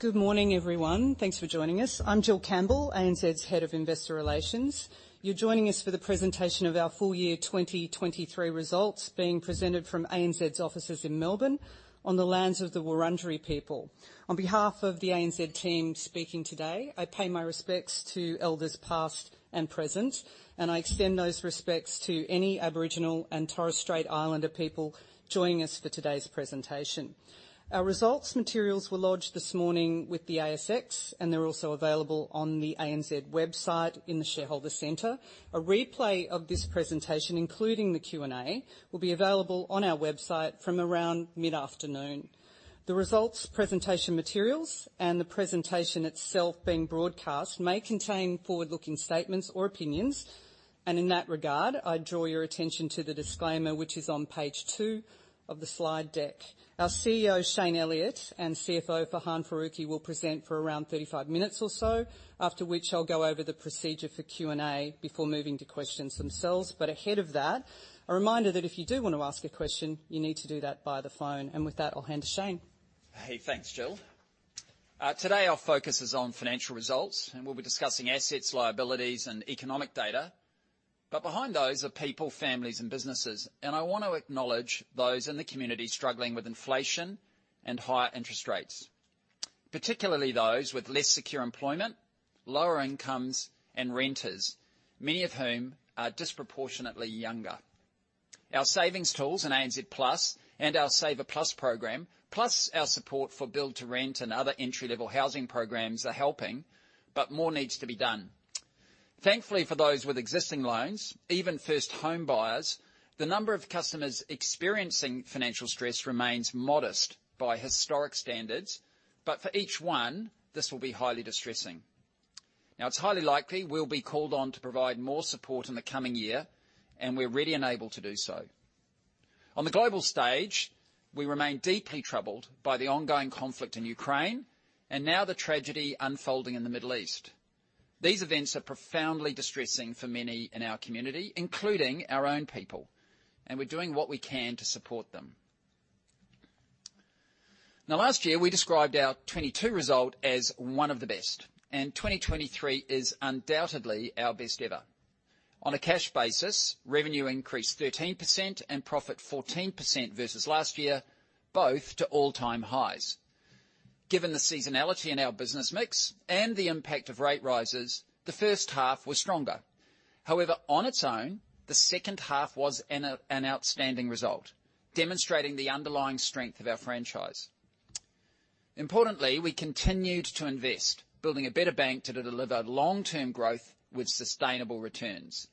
Good morning, everyone. Thanks for joining us. I'm Jill Campbell, ANZ's Head of Investor Relations. You're joining us for the presentation of our full year 2023 results, being presented from ANZ's offices in Melbourne on the lands of the Wurundjeri people. On behalf of the ANZ team speaking today, I pay my respects to elders, past and present, and I extend those respects to any Aboriginal and Torres Strait Islander people joining us for today's presentation. Our results materials were lodged this morning with the ASX, and they're also available on the ANZ website in the Shareholder Center. A replay of this presentation, including the Q&A, will be available on our website from around mid-afternoon. The results, presentation materials, and the presentation itself being broadcast may contain forward-looking statements or opinions, and in that regard, I draw your attention to the disclaimer, which is on page 2 of the slide deck. Our CEO, Shayne Elliott, and CFO, Farhan Faruqui, will present for around 35 minutes or so, after which I'll go over the procedure for Q&A before moving to questions themselves. But ahead of that, a reminder that if you do want to ask a question, you need to do that by the phone. And with that, I'll hand to Shayne. Hey, thanks, Jill. Today, our focus is on financial results, and we'll be discussing assets, liabilities, and economic data. But behind those are people, families, and businesses, and I want to acknowledge those in the community struggling with inflation and higher interest rates, particularly those with less secure employment, lower incomes, and renters, many of whom are disproportionately younger. Our savings tools in ANZ Plus and our Saver Plus program, plus our support for build-to-rent and other entry-level housing programs, are helping, but more needs to be done. Thankfully, for those with existing loans, even first homebuyers, the number of customers experiencing financial stress remains modest by historic standards, but for each one, this will be highly distressing. Now, it's highly likely we'll be called on to provide more support in the coming year, and we're ready and able to do so. On the global stage, we remain deeply troubled by the ongoing conflict in Ukraine and now the tragedy unfolding in the Middle East. These events are profoundly distressing for many in our community, including our own people, and we're doing what we can to support them. Now, last year, we described our 2022 result as one of the best, and 2023 is undoubtedly our best ever. On a cash basis, revenue increased 13% and profit 14% versus last year, both to all-time highs. Given the seasonality in our business mix and the impact of rate rises, the first half was stronger. However, on its own, the second half was an outstanding result, demonstrating the underlying strength of our franchise. Importantly, we continued to invest, building a better bank to deliver long-term growth with sustainable returns,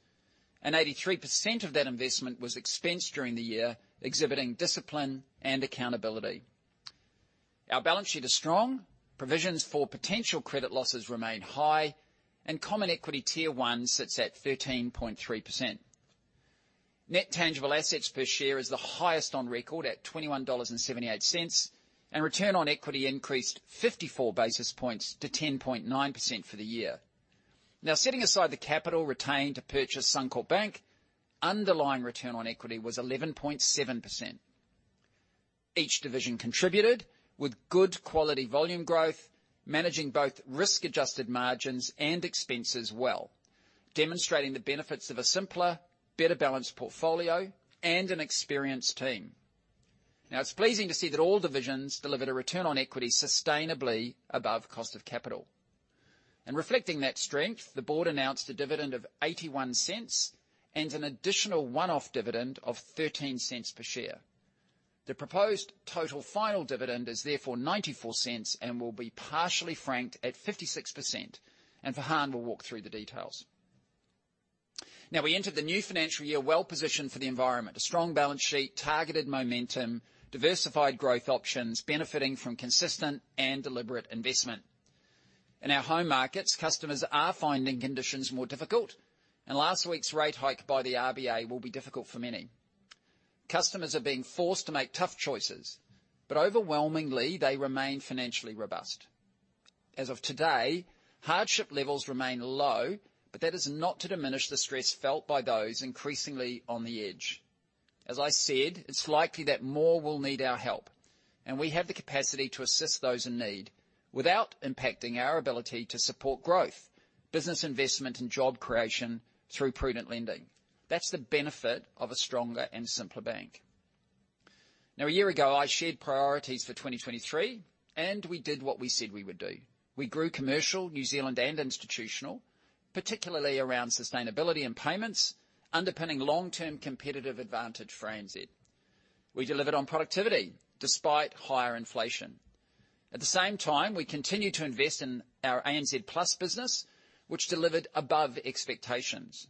and 83% of that investment was expensed during the year, exhibiting discipline and accountability. Our balance sheet is strong, provisions for potential credit losses remain high, and Common Equity Tier 1 sits at 13.3%. Net tangible assets per share is the highest on record at 21.78 dollars, and return on equity increased fifty-four basis points to 10.9% for the year. Now, setting aside the capital retained to purchase Suncorp Bank, underlying return on equity was 11.7%. Each division contributed with good quality volume growth, managing both risk-adjusted margins and expenses well, demonstrating the benefits of a simpler, better-balanced portfolio and an experienced team. Now, it's pleasing to see that all divisions delivered a return on equity sustainably above cost of capital. Reflecting that strength, the board announced a dividend of 0.81 and an additional one-off dividend of 0.13 per share. The proposed total final dividend is therefore 0.94 and will be partially franked at 56%, and Farhan will walk through the details. Now, we entered the new financial year well-positioned for the environment. A strong balance sheet, targeted momentum, diversified growth options, benefiting from consistent and deliberate investment. In our home markets, customers are finding conditions more difficult, and last week's rate hike by the RBA will be difficult for many. Customers are being forced to make tough choices, but overwhelmingly they remain financially robust. As of today, hardship levels remain low, but that is not to diminish the stress felt by those increasingly on the edge. As I said, it's likely that more will need our help, and we have the capacity to assist those in need without impacting our ability to support growth, business investment, and job creation through prudent lending. That's the benefit of a stronger and simpler bank. Now, a year ago, I shared priorities for 2023, and we did what we said we would do. We grew Commercial, New Zealand, and Institutional, particularly around sustainability and payments, underpinning long-term competitive advantage for ANZ. We delivered on productivity despite higher inflation. At the same time, we continued to invest in our ANZ Plus business, which delivered above expectations.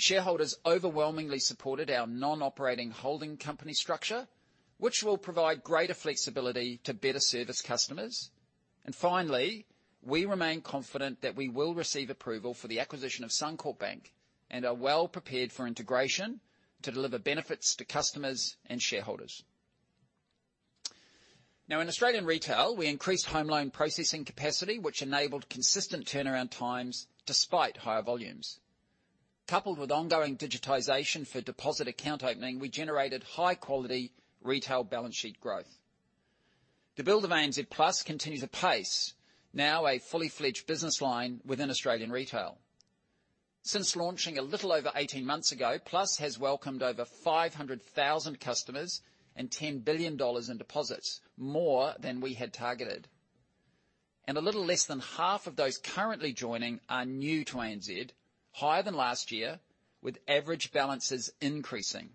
Shareholders overwhelmingly supported our non-operating holding company structure, which will provide greater flexibility to better service customers. And finally, we remain confident that we will receive approval for the acquisition of Suncorp Bank and are well prepared for integration to deliver benefits to customers and shareholders. Now, in Australian Retail, we increased home loan processing capacity, which enabled consistent turnaround times despite higher volumes, coupled with ongoing digitization for deposit account opening, we generated high-quality retail balance sheet growth. The build of ANZ Plus continues apace, now a full-fledged business line within Australian Retail. Since launching a little over 18 months ago, Plus has welcomed over 500,000 customers and 10 billion dollars in deposits, more than we had targeted. A little less than half of those currently joining are new to ANZ, higher than last year, with average balances increasing.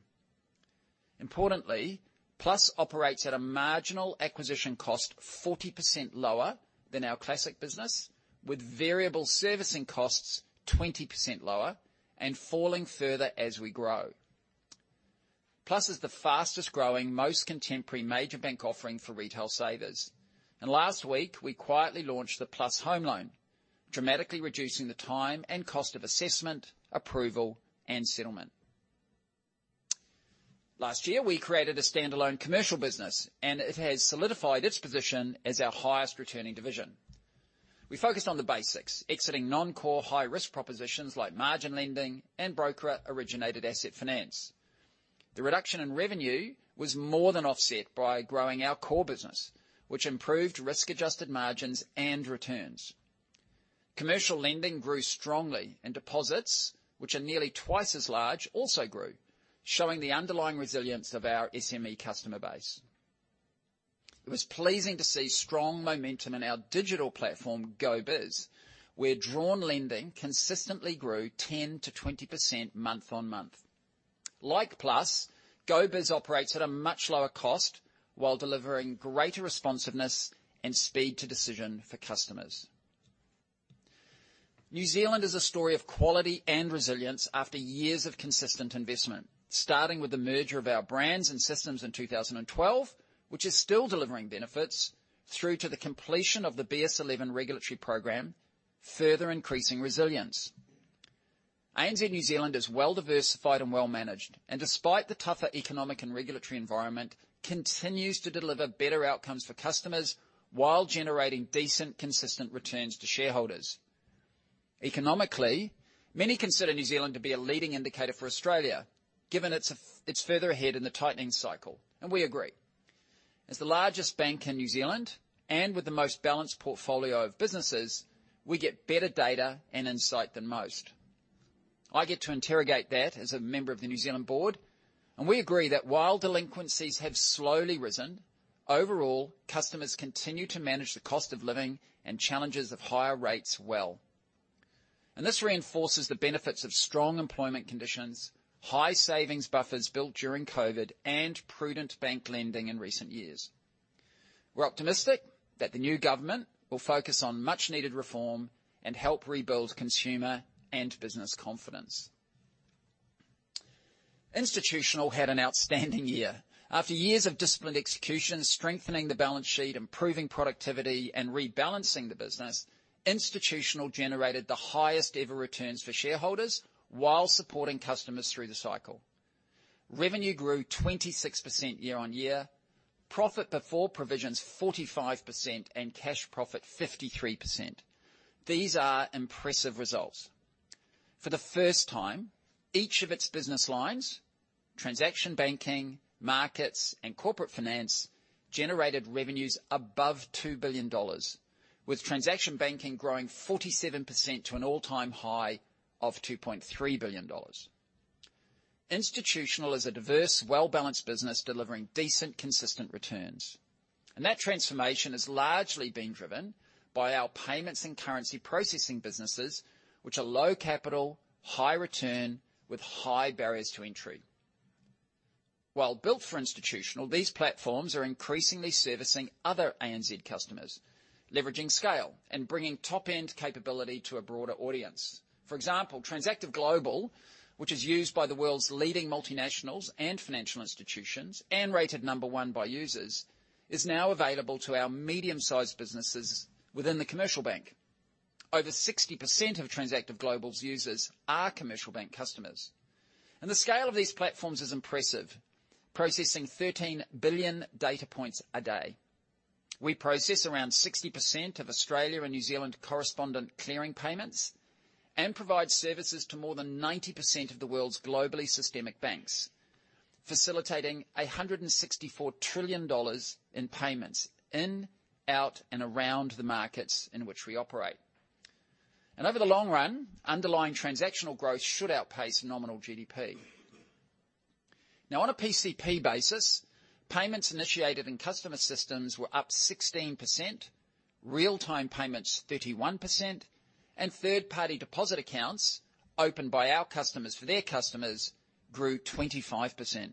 Importantly, Plus operates at a marginal acquisition cost 40% lower than our classic business, with variable servicing costs 20% lower and falling further as we grow. Plus is the fastest-growing, most contemporary major bank offering for retail savers, and last week, we quietly launched the Plus Home Loan, dramatically reducing the time and cost of assessment, approval, and settlement. Last year, we created a standalone Commercial business, and it has solidified its position as our highest-returning division. We focused on the basics, exiting non-core, high-risk propositions like margin lending and broker-originated asset finance. The reduction in revenue was more than offset by growing our core business, which improved risk-adjusted margins and returns. Commercial lending grew strongly, and deposits, which are nearly twice as large, also grew, showing the underlying resilience of our SME customer base. It was pleasing to see strong momentum in our digital platform, GoBiz, where drawn lending consistently grew 10%-20% month-on-month. Like Plus, GoBiz operates at a much lower cost while delivering greater responsiveness and speed to decision for customers. New Zealand is a story of quality and resilience after years of consistent investment, starting with the merger of our brands and systems in 2012, which is still delivering benefits through to the completion of the BS11 regulatory program, further increasing resilience. ANZ New Zealand is well-diversified and well-managed, and despite the tougher economic and regulatory environment, continues to deliver better outcomes for customers while generating decent, consistent returns to shareholders. Economically, many consider New Zealand to be a leading indicator for Australia, given it's, it's further ahead in the tightening cycle, and we agree. As the largest bank in New Zealand and with the most balanced portfolio of businesses, we get better data and insight than most. I get to interrogate that as a member of the New Zealand board, and we agree that while delinquencies have slowly risen, overall, customers continue to manage the cost of living and challenges of higher rates well. This reinforces the benefits of strong employment conditions, high savings buffers built during COVID, and prudent bank lending in recent years. We're optimistic that the new government will focus on much-needed reform and help rebuild consumer and business confidence. Institutional had an outstanding year. After years of disciplined execution, strengthening the balance sheet, improving productivity, and rebalancing the business, Institutional generated the highest ever returns for shareholders while supporting customers through the cycle. Revenue grew 26% year-on-year, profit before provisions, 45%, and cash profit, 53%. These are impressive results. For the first time, each of its business lines, Transaction Banking, Markets, and Corporate Finance, generated revenues above 2 billion dollars, with Transaction Banking growing 47% to an all-time high of 2.3 billion dollars. Institutional is a diverse, well-balanced business, delivering decent, consistent returns, and that transformation has largely been driven by our payments and currency processing businesses, which are low capital, high return, with high barriers to entry. While built for Institutional, these platforms are increasingly servicing other ANZ customers, leveraging scale and bringing top-end capability to a broader audience. For example, Transactive Global, which is used by the world's leading multinationals and financial institutions, and rated number 1 by users, is now available to our medium-sized businesses within the commercial bank. Over 60% of Transactive Global's users are commercial bank customers. The scale of these platforms is impressive, processing 13 billion data points a day. We process around 60% of Australia and New Zealand correspondent clearing payments and provide services to more than 90% of the world's globally systemic banks, facilitating $164 trillion in payments in, out, and around the markets in which we operate. Over the long run, underlying transactional growth should outpace nominal GDP. Now, on a PCP basis, payments initiated in customer systems were up 16%, real-time payments, 31%, and third-party deposit accounts opened by our customers for their customers grew 25%.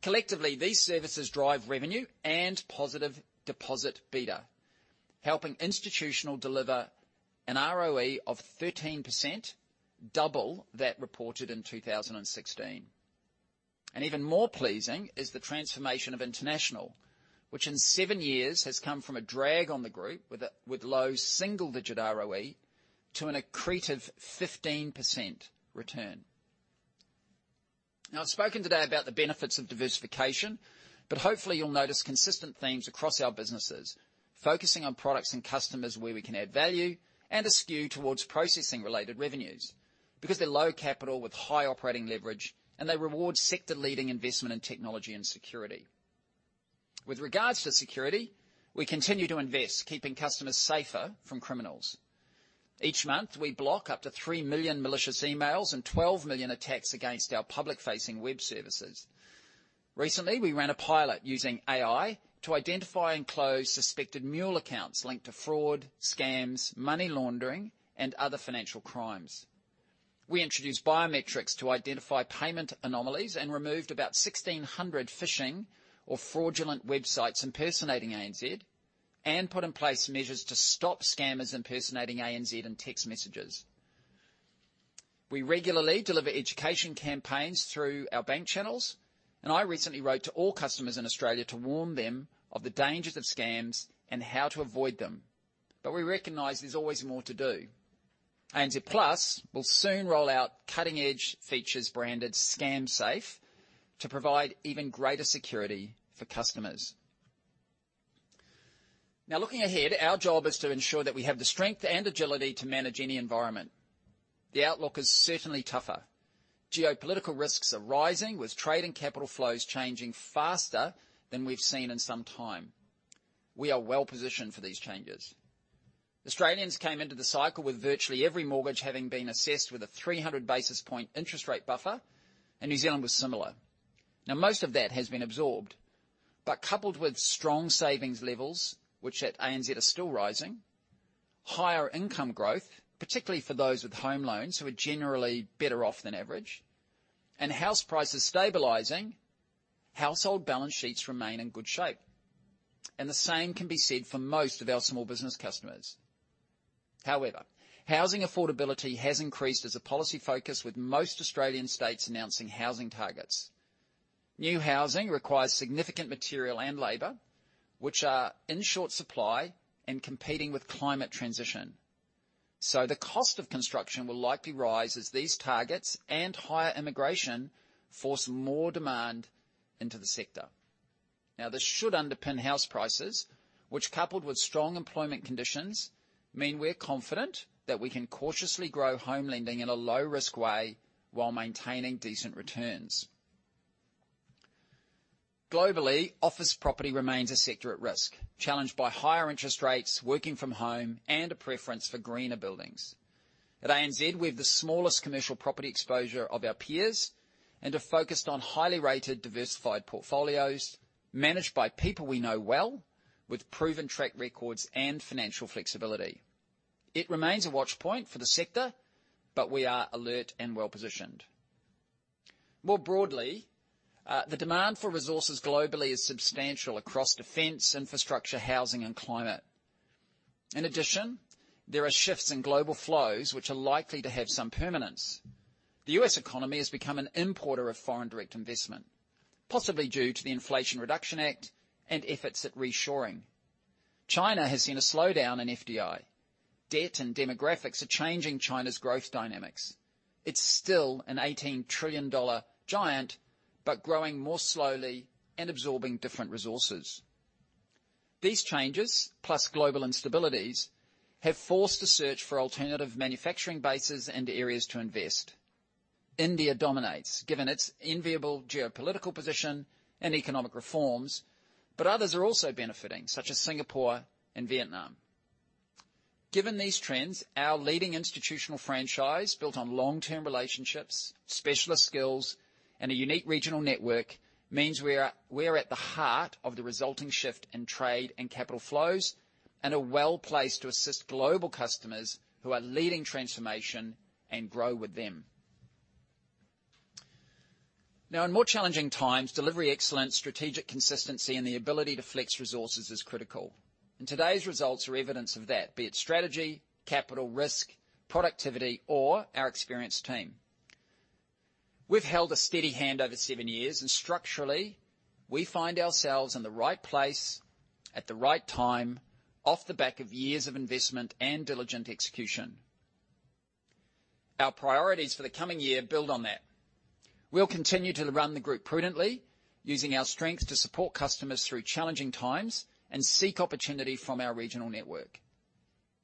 Collectively, these services drive revenue and positive deposit beta, helping Institutional deliver an ROE of 13%, double that reported in 2016. Even more pleasing is the transformation of International, which in 7 years has come from a drag on the group, with low single-digit ROE, to an accretive 15% return. Now, I've spoken today about the benefits of diversification, but hopefully you'll notice consistent themes across our businesses, focusing on products and customers where we can add value, and a skew towards processing related revenues, because they're low capital with high operating leverage, and they reward sector-leading investment in technology and security. With regards to security, we continue to invest, keeping customers safer from criminals. Each month, we block up to 3 million malicious emails and 12 million attacks against our public-facing web services. Recently, we ran a pilot using AI to identify and close suspected mule accounts linked to fraud, scams, money laundering, and other financial crimes. We introduced biometrics to identify payment anomalies and removed about 1,600 phishing or fraudulent websites impersonating ANZ, and put in place measures to stop scammers impersonating ANZ in text messages. We regularly deliver education campaigns through our bank channels, and I recently wrote to all customers in Australia to warn them of the dangers of scams and how to avoid them. But we recognize there's always more to do. ANZ Plus will soon roll out cutting-edge features branded Scam Safe, to provide even greater security for customers. Now, looking ahead, our job is to ensure that we have the strength and agility to manage any environment. The outlook is certainly tougher. Geopolitical risks are rising, with trade and capital flows changing faster than we've seen in some time. We are well-positioned for these changes. Australians came into the cycle with virtually every mortgage having been assessed with a 300 basis point interest rate buffer, and New Zealand was similar. Now, most of that has been absorbed, but coupled with strong savings levels, which at ANZ are still rising, higher income growth, particularly for those with home loans who are generally better off than average, and house prices stabilizing, household balance sheets remain in good shape, and the same can be said for most of our small business customers. However, housing affordability has increased as a policy focus, with most Australian states announcing housing targets. New housing requires significant material and labor, which are in short supply and competing with climate transition. So the cost of construction will likely rise as these targets and higher immigration force more demand into the sector. Now, this should underpin house prices, which, coupled with strong employment conditions, mean we're confident that we can cautiously grow home lending in a low-risk way while maintaining decent returns. Globally, office property remains a sector at risk, challenged by higher interest rates, working from home, and a preference for greener buildings. At ANZ, we have the smallest commercial property exposure of our peers and are focused on highly rated, diversified portfolios managed by people we know well, with proven track records and financial flexibility. It remains a watch point for the sector, but we are alert and well-positioned. More broadly, the demand for resources globally is substantial across defense, infrastructure, housing, and climate. In addition, there are shifts in global flows, which are likely to have some permanence. The US economy has become an importer of foreign direct investment, possibly due to the Inflation Reduction Act and efforts at reshoring. China has seen a slowdown in FDI. Debt and demographics are changing China's growth dynamics. It's still an $18 trillion giant, but growing more slowly and absorbing different resources. These changes, plus global instabilities, have forced a search for alternative manufacturing bases and areas to invest. India dominates, given its enviable geopolitical position and economic reforms, but others are also benefiting, such as Singapore and Vietnam. Given these trends, our leading institutional franchise, built on long-term relationships, specialist skills, and a unique regional network, means we are at the heart of the resulting shift in trade and capital flows, and are well-placed to assist global customers who are leading transformation and grow with them. Now, in more challenging times, delivery, excellence, strategic consistency, and the ability to flex resources is critical, and today's results are evidence of that, be it strategy, capital, risk, productivity, or our experienced team. We've held a steady hand over seven years, and structurally, we find ourselves in the right place at the right time, off the back of years of investment and diligent execution. Our priorities for the coming year build on that. We'll continue to run the group prudently, using our strengths to support customers through challenging times and seek opportunity from our regional network.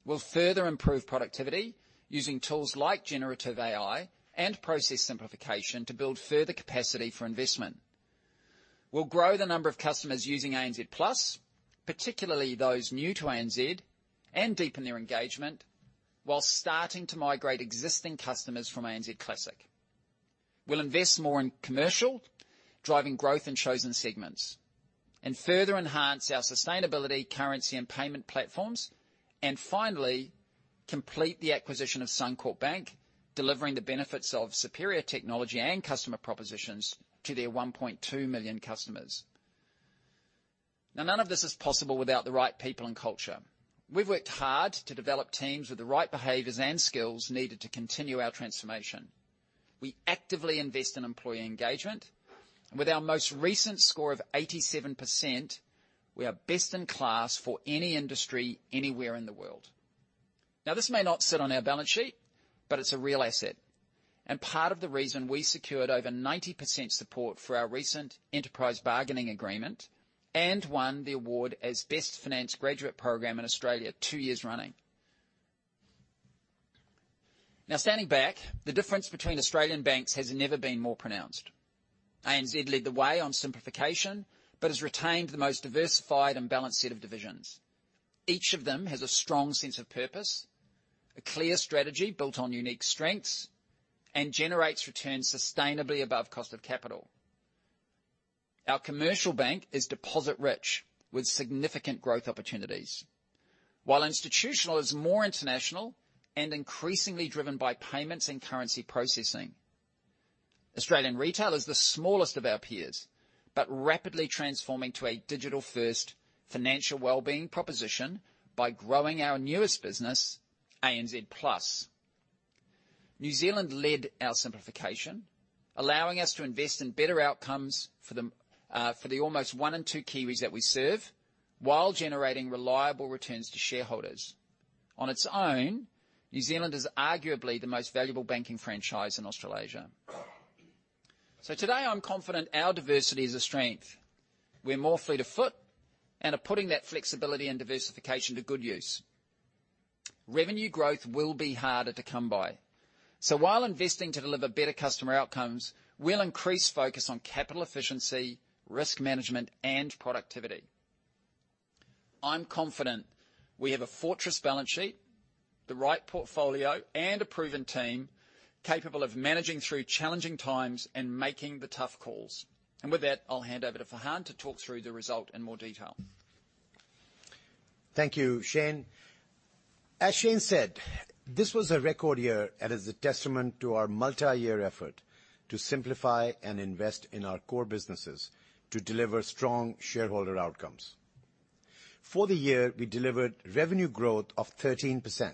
We'll further improve productivity using tools like generative AI and process simplification to build further capacity for investment. We'll grow the number of customers using ANZ Plus, particularly those new to ANZ, and deepen their engagement while starting to migrate existing customers from ANZ Classic. We'll invest more in commercial, driving growth in chosen segments, and further enhance our sustainability, currency, and payment platforms, and finally, complete the acquisition of Suncorp Bank, delivering the benefits of superior technology and customer propositions to their 1.2 million customers. Now, none of this is possible without the right people and culture. We've worked hard to develop teams with the right behaviors and skills needed to continue our transformation. We actively invest in employee engagement, and with our most recent score of 87%, we are best-in-class for any industry, anywhere in the world. Now, this may not sit on our balance sheet, but it's a real asset and part of the reason we secured over 90% support for our recent enterprise bargaining agreement and won the award as Best Finance Graduate Program in Australia two years running. Now, standing back, the difference between Australian banks has never been more pronounced. ANZ led the way on simplification, but has retained the most diversified and balanced set of divisions. Each of them has a strong sense of purpose, a clear strategy built on unique strengths, and generates returns sustainably above cost of capital. Our commercial bank is deposit-rich, with significant growth opportunities, while institutional is more international and increasingly driven by payments and currency processing. Australian Retail is the smallest of our peers, but rapidly transforming to a digital-first financial well-being proposition by growing our newest business, ANZ Plus. New Zealand led our simplification, allowing us to invest in better outcomes for the almost one in two Kiwis that we serve, while generating reliable returns to shareholders. On its own, New Zealand is arguably the most valuable banking franchise in Australasia. Today, I'm confident our diversity is a strength. We're more fleet of foot and are putting that flexibility and diversification to good use. Revenue growth will be harder to come by, so while investing to deliver better customer outcomes, we'll increase focus on capital efficiency, risk management, and productivity. I'm confident we have a fortress balance sheet, the right portfolio, and a proven team capable of managing through challenging times and making the tough calls. With that, I'll hand over to Farhan to talk through the result in more detail. Thank you, Shayne. As Shayne said, this was a record year, and is a testament to our multi-year effort to simplify and invest in our core businesses to deliver strong shareholder outcomes. For the year, we delivered revenue growth of 13%.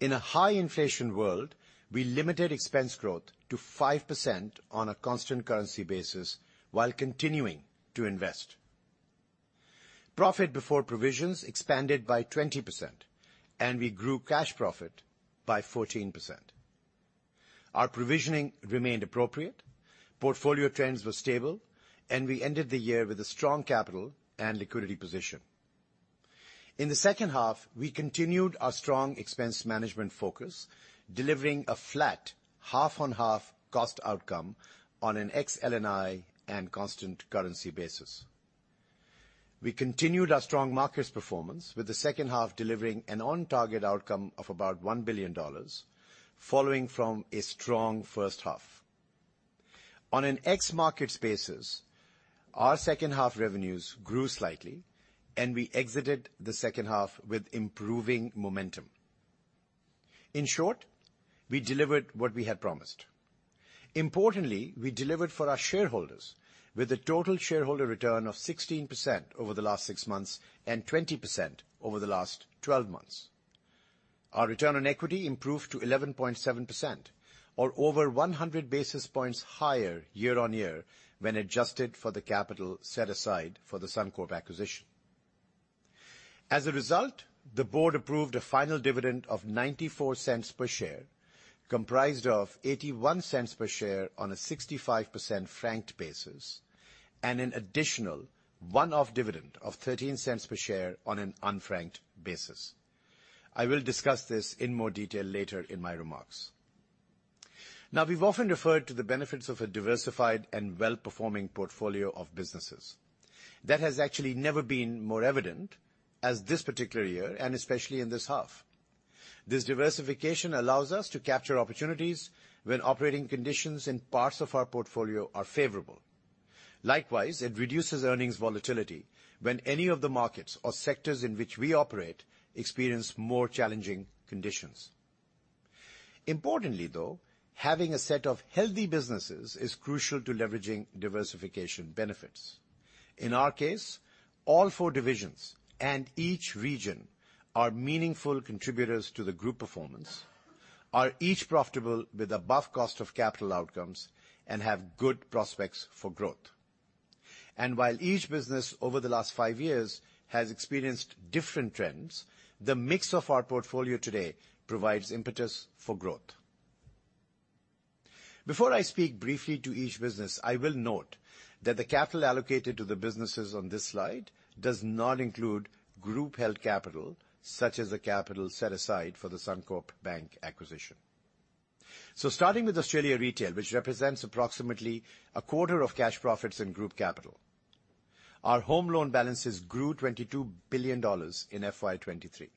In a high inflation world, we limited expense growth to 5% on a constant currency basis, while continuing to invest. Profit before provisions expanded by 20%, and we grew cash profit by 14%. Our provisioning remained appropriate, portfolio trends were stable, and we ended the year with a strong capital and liquidity position. In the second half, we continued our strong expense management focus, delivering a flat half-on-half cost outcome on an ex LNI and constant currency basis. We continued our strong markets performance, with the second half delivering an on-target outcome of about 1 billion dollars, following from a strong first half. On an ex-markets basis, our second half revenues grew slightly, and we exited the second half with improving momentum. In short, we delivered what we had promised. Importantly, we delivered for our shareholders, with a total shareholder return of 16% over the last 6 months and 20% over the last 12 months. Our return on equity improved to 11.7% or over 100 basis points higher year-on-year when adjusted for the capital set aside for the Suncorp acquisition. As a result, the board approved a final dividend of 0.94 per share, comprised of 0.81 per share on a 65% franked basis, and an additional one-off dividend of 0.13 per share on an unfranked basis. I will discuss this in more detail later in my remarks. Now, we've often referred to the benefits of a diversified and well-performing portfolio of businesses. That has actually never been more evident as this particular year, and especially in this half. This diversification allows us to capture opportunities when operating conditions in parts of our portfolio are favorable. Likewise, it reduces earnings volatility when any of the markets or sectors in which we operate experience more challenging conditions. Importantly, though, having a set of healthy businesses is crucial to leveraging diversification benefits. In our case, all four divisions and each region are meaningful contributors to the group performance, are each profitable with above cost of capital outcomes, and have good prospects for growth. While each business over the last five years has experienced different trends, the mix of our portfolio today provides impetus for growth. Before I speak briefly to each business, I will note that the capital allocated to the businesses on this slide does not include group-held capital, such as the capital set aside for the Suncorp Bank acquisition. So starting with Australia Retail, which represents approximately a quarter of cash profits and group capital, our home loan balances grew 22 billion dollars in FY 2023.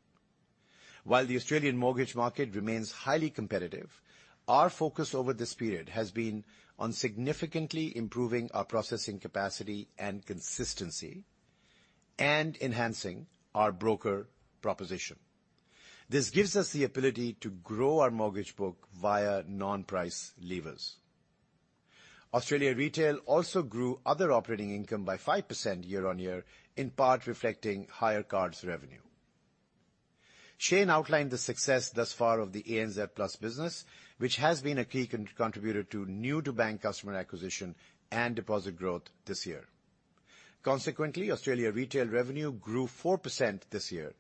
While the Australian mortgage market remains highly competitive, our focus over this period has been on significantly improving our processing capacity and consistency, and enhancing our broker proposition. This gives us the ability to grow our mortgage book via non-price levers. Australia Retail also grew other operating income by 5% year-on-year, in part reflecting higher cards revenue. Shayne outlined the success thus far of the ANZ Plus business, which has been a key contributor to new to bank customer acquisition and deposit growth this year. Consequently, Australian Retail revenue grew 4% this year,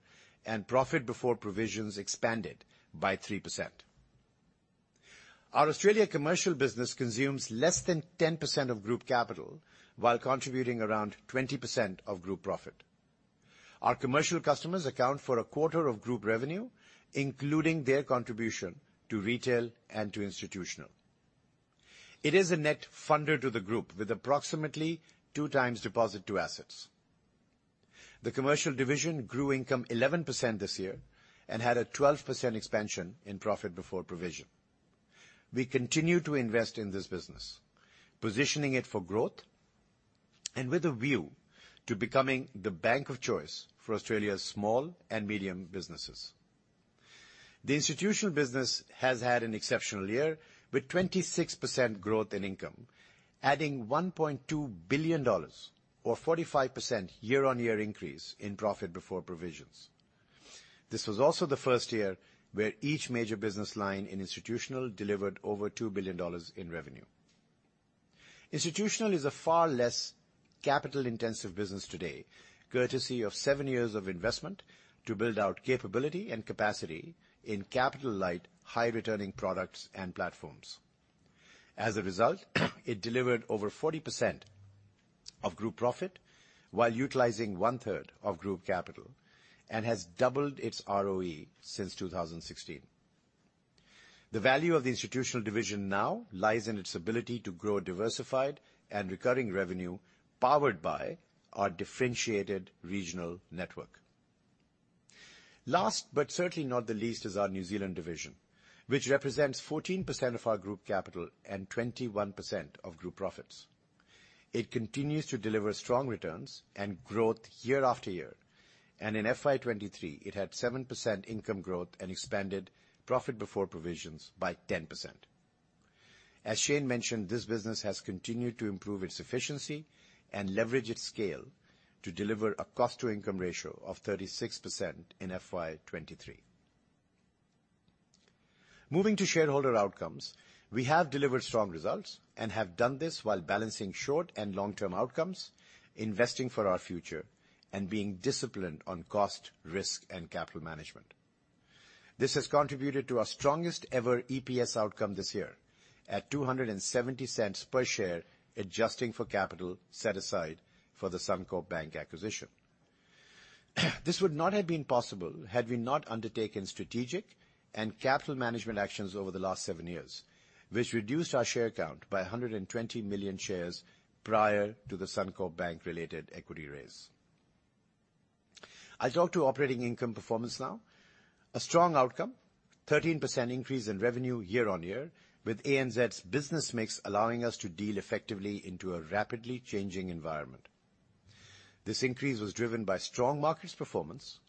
and profit before provisions expanded by 3%. Our Australian Commercial business consumes less than 10% of group capital, while contributing around 20% of group profit. Our commercial customers account for a quarter of group revenue, including their contribution to retail and to Institutional. It is a net funder to the group, with approximately two times deposit to assets. The commercial division grew income 11% this year, and had a 12% expansion in profit before provisions. We continue to invest in this business, positioning it for growth, and with a view to becoming the bank of choice for Australia's small and medium businesses. The Institutional business has had an exceptional year, with 26% growth in income, adding 1.2 billion dollars, or 45% year-on-year increase in profit before provisions. This was also the first year where each major business line in Institutional delivered over AUD 2 billion in revenue. Institutional is a far less capital-intensive business today, courtesy of seven years of investment to build out capability and capacity in capital-light, high-returning products and platforms. As a result, it delivered over 40% of group profit, while utilizing one-third of group capital, and has doubled its ROE since 2016. The value of the Institutional division now lies in its ability to grow a diversified and recurring revenue, powered by our differentiated regional network. Last, but certainly not the least, is our New Zealand division, which represents 14% of our group capital and 21% of group profits. It continues to deliver strong returns and growth year after year, and in FY 2023, it had 7% income growth and expanded profit before provisions by 10%. As Shayne mentioned, this business has continued to improve its efficiency and leverage its scale to deliver a cost-to-income ratio of 36% in FY 2023. Moving to shareholder outcomes, we have delivered strong results and have done this while balancing short- and long-term outcomes, investing for our future, and being disciplined on cost, risk, and capital management. This has contributed to our strongest ever EPS outcome this year at 2.70 per share, adjusting for capital set aside for the Suncorp Bank acquisition. This would not have been possible had we not undertaken strategic and capital management actions over the last seven years, which reduced our share count by 120 million shares prior to the Suncorp Bank-related equity raise. I'll talk to operating income performance now. A strong outcome, 13% increase in revenue year-on-year, with ANZ's business mix allowing us to deal effectively into a rapidly changing environment. This increase was driven by strong markets performance,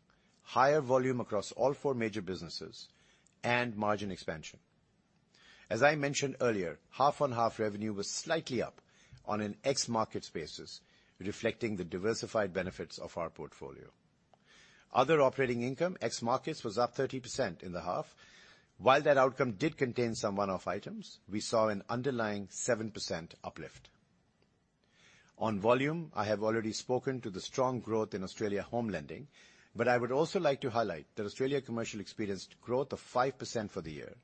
higher volume across all four major businesses, and margin expansion. As I mentioned earlier, half-on-half revenue was slightly up on an ex-markets basis, reflecting the diversified benefits of our portfolio. Other operating income, ex markets, was up 30% in the half. While that outcome did contain some one-off items, we saw an underlying 7% uplift. On volume, I have already spoken to the strong growth in Australia home lending, but I would also like to highlight that Australia commercial experienced growth of 5% for the year,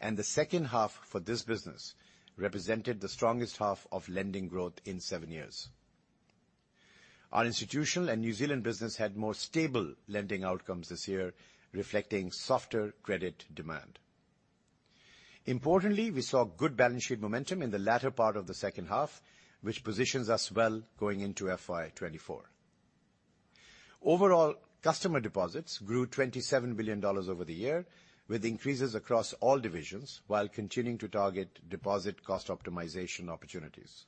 and the second half for this business represented the strongest half of lending growth in 7 years. Our institutional and New Zealand business had more stable lending outcomes this year, reflecting softer credit demand. Importantly, we saw good balance sheet momentum in the latter part of the second half, which positions us well going into FY 2024. Overall, customer deposits grew 27 billion dollars over the year, with increases across all divisions, while continuing to target deposit cost optimization opportunities.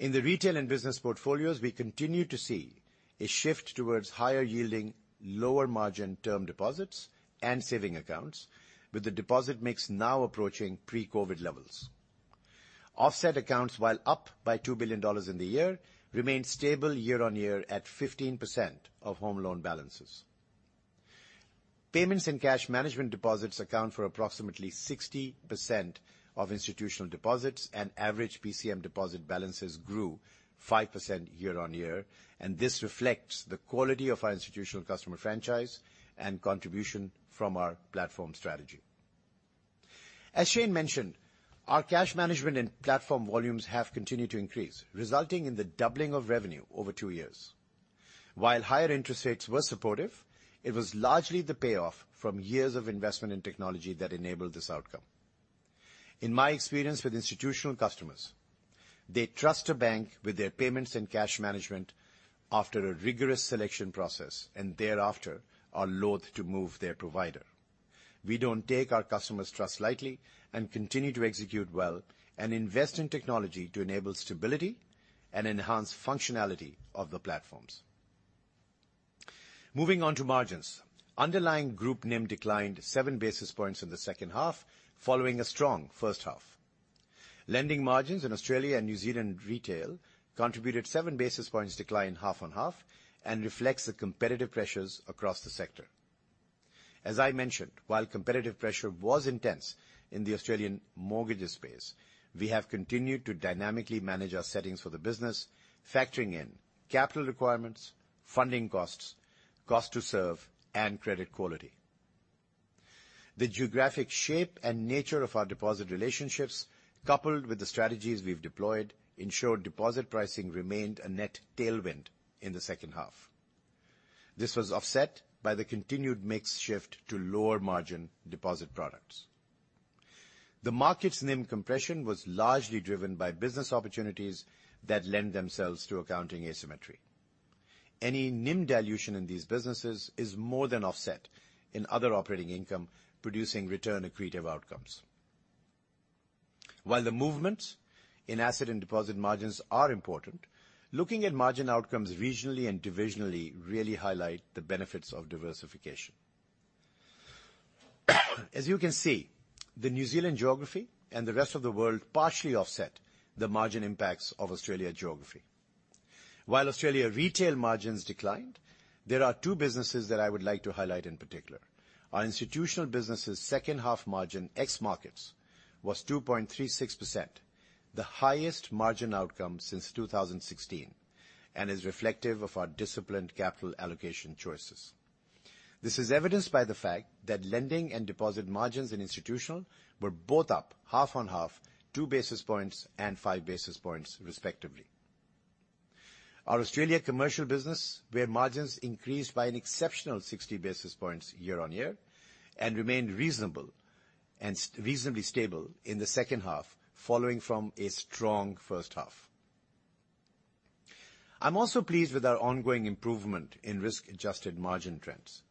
In the retail and business portfolios, we continue to see a shift towards higher-yielding, lower-margin term deposits and savings accounts, with the deposit mix now approaching pre-COVID levels. Offset accounts, while up by 2 billion dollars in the year, remained stable year-on-year at 15% of home loan balances. Payments and cash management deposits account for approximately 60% of institutional deposits, and average PCM deposit balances grew 5% year-on-year, and this reflects the quality of our institutional customer franchise and contribution from our platform strategy. As Shayne mentioned, our cash management and platform volumes have continued to increase, resulting in the doubling of revenue over two years. While higher interest rates were supportive, it was largely the payoff from years of investment in technology that enabled this outcome. In my experience with institutional customers, they trust a bank with their payments and cash management after a rigorous selection process, and thereafter, are loath to move their provider. We don't take our customers' trust lightly, and continue to execute well and invest in technology to enable stability and enhance functionality of the platforms. Moving on to margins. Underlying group NIM declined seven basis points in the second half, following a strong first half. Lending margins in Australia and New Zealand retail contributed seven basis points decline half on half, and reflects the competitive pressures across the sector... As I mentioned, while competitive pressure was intense in the Australian mortgages space, we have continued to dynamically manage our settings for the business, factoring in capital requirements, funding costs, cost to serve, and credit quality. The geographic shape and nature of our deposit relationships, coupled with the strategies we've deployed, ensured deposit pricing remained a net tailwind in the second half. This was offset by the continued mix shift to lower-margin deposit products. The Markets NIM compression was largely driven by business opportunities that lend themselves to accounting asymmetry. Any NIM dilution in these businesses is more than offset in other operating income, producing return accretive outcomes. While the movements in asset and deposit margins are important, looking at margin outcomes regionally and divisionally really highlight the benefits of diversification. As you can see, the New Zealand geography and the rest of the world partially offset the margin impacts of Australia geography. While Australia retail margins declined, there are two businesses that I would like to highlight in particular. Our Institutional business's second half margin, ex Markets, was 2.36%, the highest margin outcome since 2016, and is reflective of our disciplined capital allocation choices. This is evidenced by the fact that lending and deposit margins in Institutional were both up half on half, 2 basis points and 5 basis points, respectively. Our Australian commercial business, where margins increased by an exceptional 60 basis points year-on-year, and remained reasonable and reasonably stable in the second half, following from a strong first half. I'm also pleased with our ongoing improvement in risk-adjusted margin trends.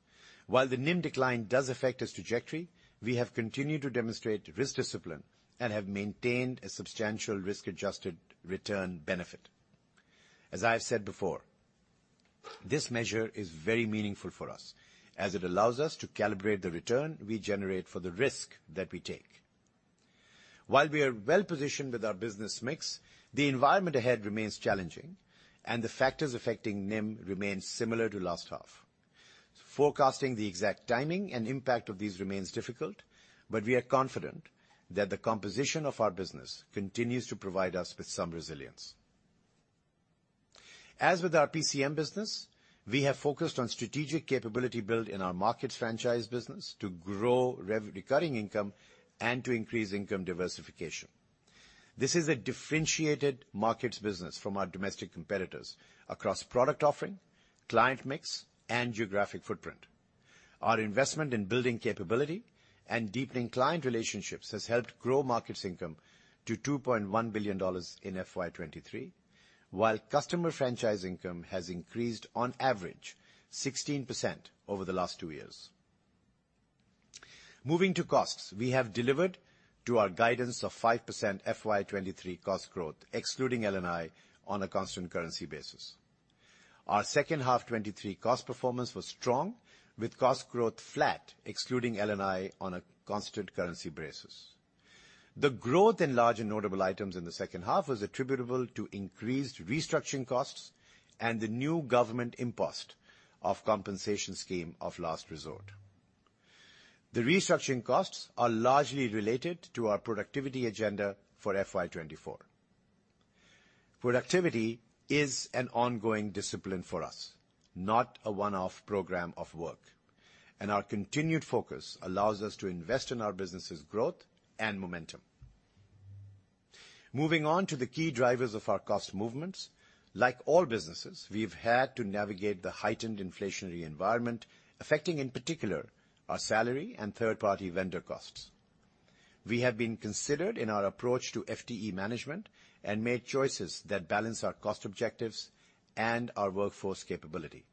While the NIM decline does affect its trajectory, we have continued to demonstrate risk discipline and have maintained a substantial risk-adjusted return benefit. As I have said before, this measure is very meaningful for us, as it allows us to calibrate the return we generate for the risk that we take. While we are well-positioned with our business mix, the environment ahead remains challenging, and the factors affecting NIM remain similar to last half. Forecasting the exact timing and impact of these remains difficult, but we are confident that the composition of our business continues to provide us with some resilience. As with our PCM business, we have focused on strategic capability build in our markets franchise business to grow recurring income and to increase income diversification. This is a differentiated markets business from our domestic competitors across product offering, client mix, and geographic footprint. Our investment in building capability and deepening client relationships has helped grow markets income to 2.1 billion dollars in FY 2023, while customer franchise income has increased, on average, 16% over the last two years. Moving to costs, we have delivered to our guidance of 5% FY 2023 cost growth, excluding LNI, on a constant currency basis. Our second half 2023 cost performance was strong, with cost growth flat, excluding LNI, on a constant currency basis. The growth in large and notable items in the second half was attributable to increased restructuring costs and the new government impost of Sompensation scheme of Last Resort. The restructuring costs are largely related to our productivity agenda for FY 2024. Productivity is an ongoing discipline for us, not a one-off program of work, and our continued focus allows us to invest in our business's growth and momentum. Moving on to the key drivers of our cost movements, like all businesses, we've had to navigate the heightened inflationary environment, affecting, in particular, our salary and third-party vendor costs. We have been considered in our approach to FTE management and made choices that balance our cost objectives and our workforce capability.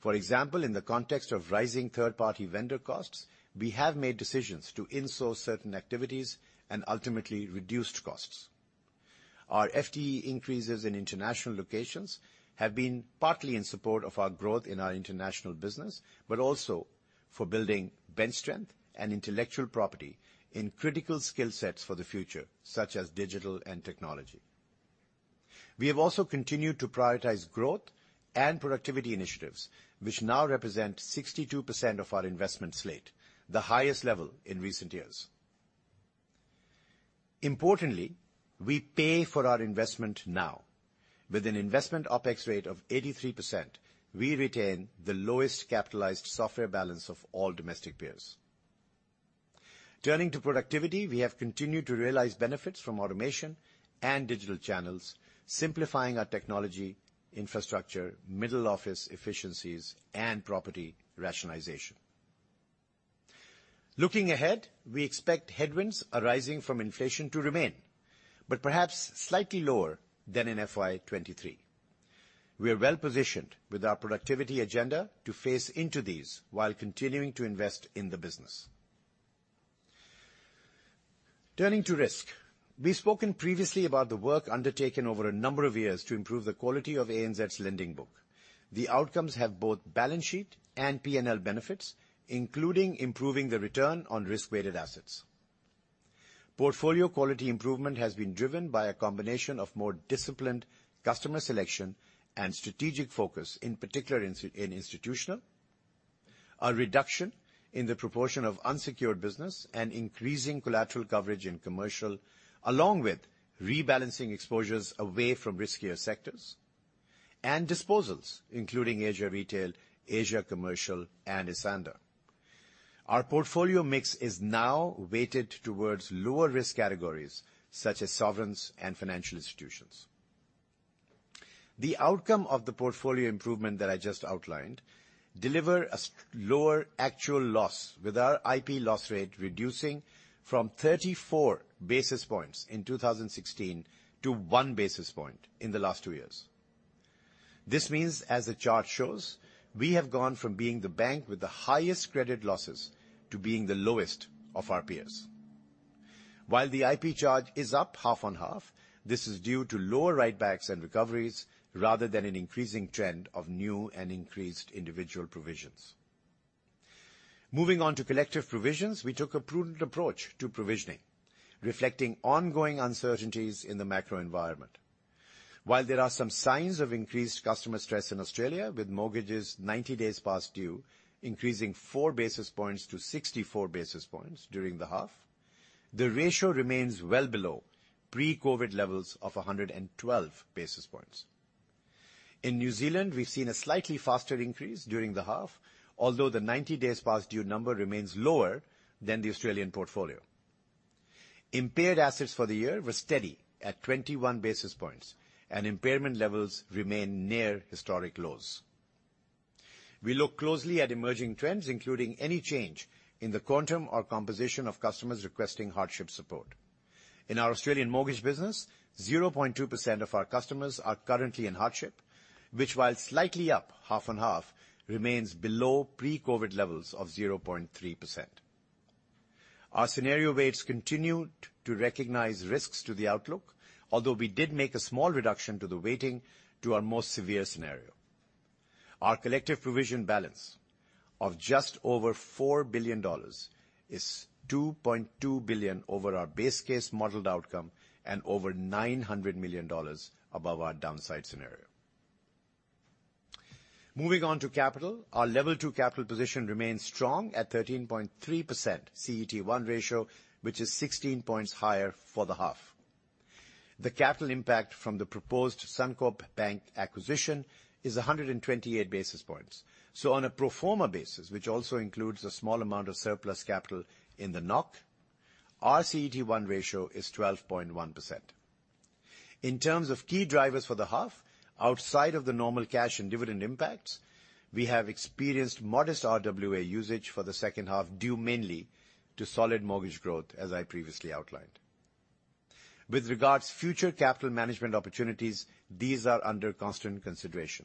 For example, in the context of rising third-party vendor costs, we have made decisions to insource certain activities and ultimately reduced costs. Our FTE increases in international locations have been partly in support of our growth in our international business, but also for building bench strength and intellectual property in critical skill sets for the future, such as digital and technology. We have also continued to prioritize growth and productivity initiatives, which now represent 62% of our investment slate, the highest level in recent years. Importantly, we pay for our investment now. With an investment OpEx rate of 83%, we retain the lowest capitalized software balance of all domestic peers. Turning to productivity, we have continued to realize benefits from automation and digital channels, simplifying our technology, infrastructure, middle office efficiencies, and property rationalization. Looking ahead, we expect headwinds arising from inflation to remain, but perhaps slightly lower than in FY 23. We are well positioned with our productivity agenda to face into these while continuing to invest in the business. Turning to risk, we've spoken previously about the work undertaken over a number of years to improve the quality of ANZ's lending book. The outcomes have both balance sheet and P&L benefits, including improving the return on risk-weighted assets. Portfolio quality improvement has been driven by a combination of more disciplined customer selection and strategic focus, in particular, in institutional. A reduction in the proportion of unsecured business and increasing collateral coverage in commercial, along with rebalancing exposures away from riskier sectors, and disposals, including Asia Retail, Asia Commercial, and Esanda. Our portfolio mix is now weighted towards lower-risk categories, such as sovereigns and financial institutions. The outcome of the portfolio improvement that I just outlined deliver a lower actual loss, with our IP loss rate reducing from 34 basis points in 2016 to 1 basis point in the last two years. This means, as the chart shows, we have gone from being the bank with the highest credit losses to being the lowest of our peers. While the IP charge is up half on half, this is due to lower write-backs and recoveries, rather than an increasing trend of new and increased individual provisions. Moving on to collective provisions, we took a prudent approach to provisioning, reflecting ongoing uncertainties in the macro environment. While there are some signs of increased customer stress in Australia, with mortgages 90 days past due, increasing 4 basis points to 64 basis points during the half, the ratio remains well below pre-COVID levels of 112 basis points. In New Zealand, we've seen a slightly faster increase during the half, although the 90 days past due number remains lower than the Australian portfolio. Impaired assets for the year were steady at 21 basis points, and impairment levels remain near historic lows. We look closely at emerging trends, including any change in the quantum or composition of customers requesting hardship support. In our Australian mortgage business, 0.2% of our customers are currently in hardship, which, while slightly up half on half, remains below pre-COVID levels of 0.3%. Our scenario weights continued to recognize risks to the outlook, although we did make a small reduction to the weighting to our most severe scenario. Our collective provision balance of just over 4 billion dollars is 2.2 billion over our base case modeled outcome and over 900 million dollars above our downside scenario. Moving on to capital. Our level two capital position remains strong at 13.3% CET1 ratio, which is 16 points higher for the half. The capital impact from the proposed Suncorp Bank acquisition is 128 basis points. So on a pro forma basis, which also includes a small amount of surplus capital in the NOC, our CET1 ratio is 12.1%. In terms of key drivers for the half, outside of the normal cash and dividend impacts, we have experienced modest RWA usage for the second half, due mainly to solid mortgage growth, as I previously outlined. With regards future capital management opportunities, these are under constant consideration.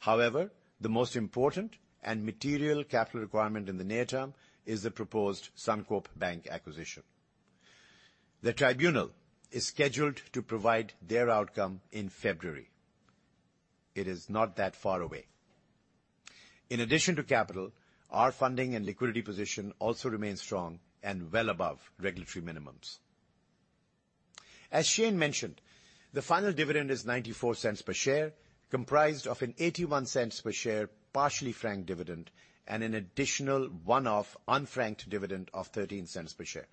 However, the most important and material capital requirement in the near term is the proposed Suncorp Bank acquisition. The tribunal is scheduled to provide their outcome in February. It is not that far away. In addition to capital, our funding and liquidity position also remains strong and well above regulatory minimums. As Shane mentioned, the final dividend is 0.94 per share, comprised of an 0.81 per share, partially franked dividend, and an additional one-off unfranked dividend of 0.13 per share.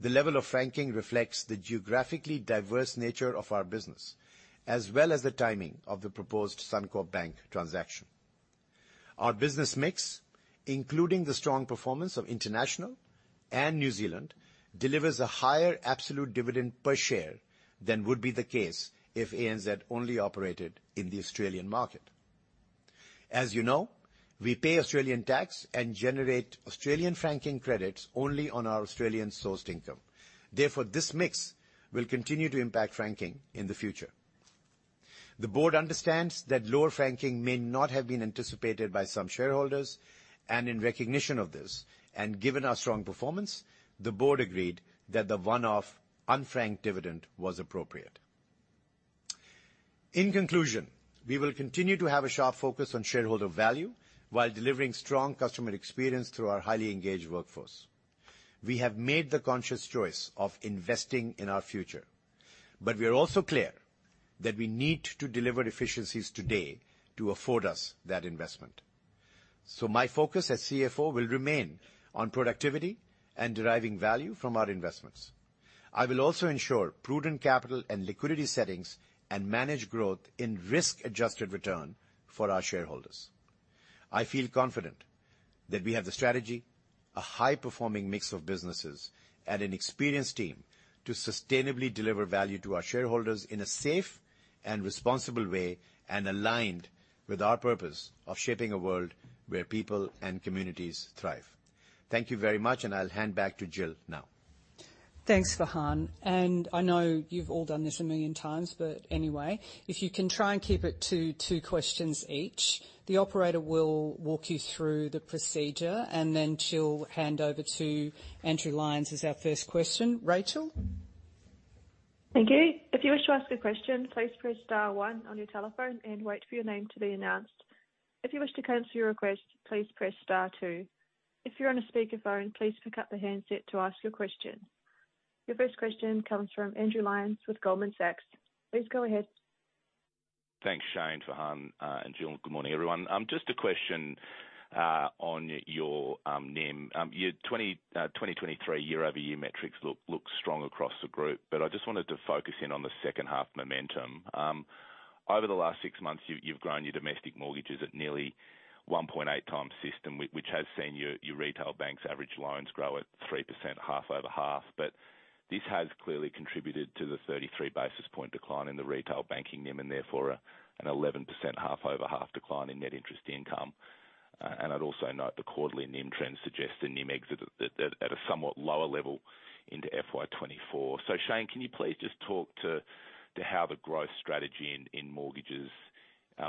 The level of franking reflects the geographically diverse nature of our business, as well as the timing of the proposed Suncorp Bank transaction. Our business mix, including the strong performance of International and New Zealand, delivers a higher absolute dividend per share than would be the case if ANZ only operated in the Australian market. As you know, we pay Australian tax and generate Australian franking credits only on our Australian-sourced income. Therefore, this mix will continue to impact franking in the future. The board understands that lower franking may not have been anticipated by some shareholders, and in recognition of this, and given our strong performance, the board agreed that the one-off unfranked dividend was appropriate. In conclusion, we will continue to have a sharp focus on shareholder value, while delivering strong customer experience through our highly engaged workforce. We have made the conscious choice of investing in our future, but we are also clear that we need to deliver efficiencies today to afford us that investment. So my focus as CFO will remain on productivity and deriving value from our investments. I will also ensure prudent capital and liquidity settings and manage growth in risk-adjusted return for our shareholders. I feel confident that we have the strategy, a high-performing mix of businesses, and an experienced team to sustainably deliver value to our shareholders in a safe and responsible way, and aligned with our purpose of shaping a world where people and communities thrive. Thank you very much, and I'll hand back to Jill now. Thanks, Farhan. And I know you've all done this a million times, but anyway, if you can try and keep it to two questions each. The operator will walk you through the procedure, and then she'll hand over to Andrew Lyons as our first question. Rachel? Thank you. If you wish to ask a question, please press star one on your telephone and wait for your name to be announced. If you wish to cancel your request, please press star two. If you're on a speakerphone, please pick up the handset to ask your question. Your first question comes from Andrew Lyons with Goldman Sachs. Please go ahead. Thanks, Shane, Farhan, and Jill. Good morning, everyone. Just a question on your NIM. Your 2023 year-over-year metrics look strong across the group, but I just wanted to focus in on the second half momentum. Over the last six months, you've grown your domestic mortgages at nearly 1.8 times system, which has seen your retail bank's average loans grow at 3%, half-over-half. But this has clearly contributed to the 33 basis point decline in the retail banking NIM, and therefore, an 11% half-over-half decline in net interest income. And I'd also note, the quarterly NIM trends suggest the NIM exits at a somewhat lower level into FY 2024. Shayne, can you please just talk to how the growth strategy in mortgages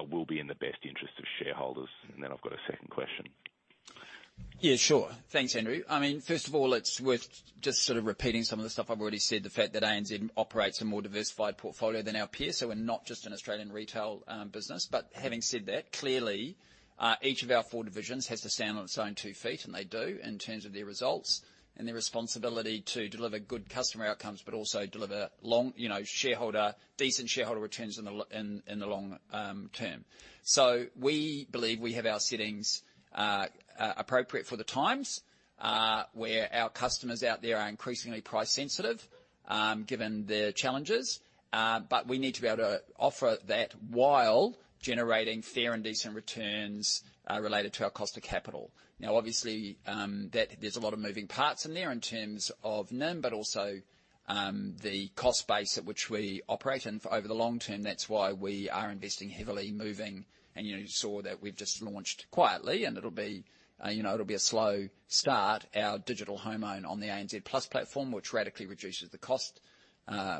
will be in the best interest of shareholders? And then I've got a second question. Yeah, sure. Thanks, Andrew. I mean, first of all, it's worth just sort of repeating some of the stuff I've already said. The fact that ANZ operates a more diversified portfolio than our peers, so we're not just an Australian retail business. But having said that, clearly, each of our four divisions has to stand on its own two feet, and they do in terms of their results and their responsibility to deliver good customer outcomes, but also deliver long, you know, shareholder decent shareholder returns in the in, in the long term. So we believe we have our settings appropriate for the times, where our customers out there are increasingly price sensitive, given the challenges. But we need to be able to offer that while generating fair and decent returns, related to our cost of capital. Now, obviously, that there's a lot of moving parts in there in terms of NIM, but also, the cost base at which we operate in for over the long term. That's why we are investing heavily, moving. And, you know, you saw that we've just launched quietly, and it'll be, you know, it'll be a slow start, our digital home loan on the ANZ Plus platform, which radically reduces the cost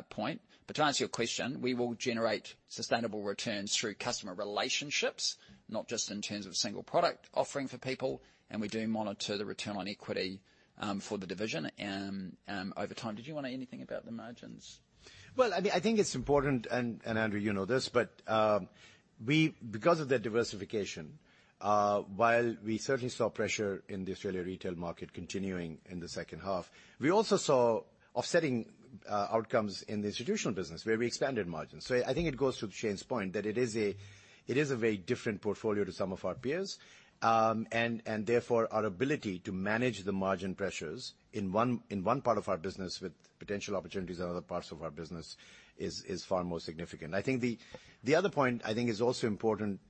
point. But to answer your question, we will generate sustainable returns through customer relationships, not just in terms of single product offering for people, and we do monitor the return on equity for the division over time. Did you want to add anything about the margins? Well, I mean, I think it's important and, and Andrew, you know this, but, because of the diversification, while we certainly saw pressure in the Australian retail market continuing in the second half, we also saw offsetting, outcomes in the institutional business where we expanded margins. So I think it goes to Shayne's point, that it is a, it is a very different portfolio to some of our peers. And, and therefore, our ability to manage the margin pressures in one, in one part of our business with potential opportunities in other parts of our business is, is far more significant. I think the, the other point I think is also important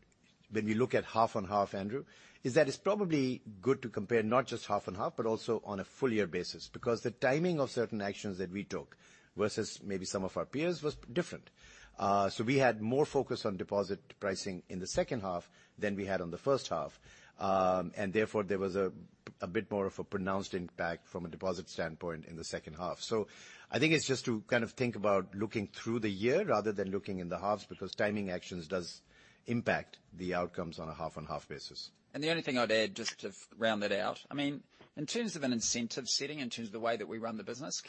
when we look at half on half, Andrew, is that it's probably good to compare not just half on half, but also on a full year basis. Because the timing of certain actions that we took versus maybe some of our peers was different. So we had more focus on deposit pricing in the second half than we had on the first half. And therefore, there was a bit more of a pronounced impact from a deposit standpoint in the second half. So I think it's just to kind of think about looking through the year rather than looking in the halves, because timing actions does impact the outcomes on a half-on-half basis. The only thing I'd add, just to round that out, I mean, in terms of an incentive setting, in terms of the way that we run the business,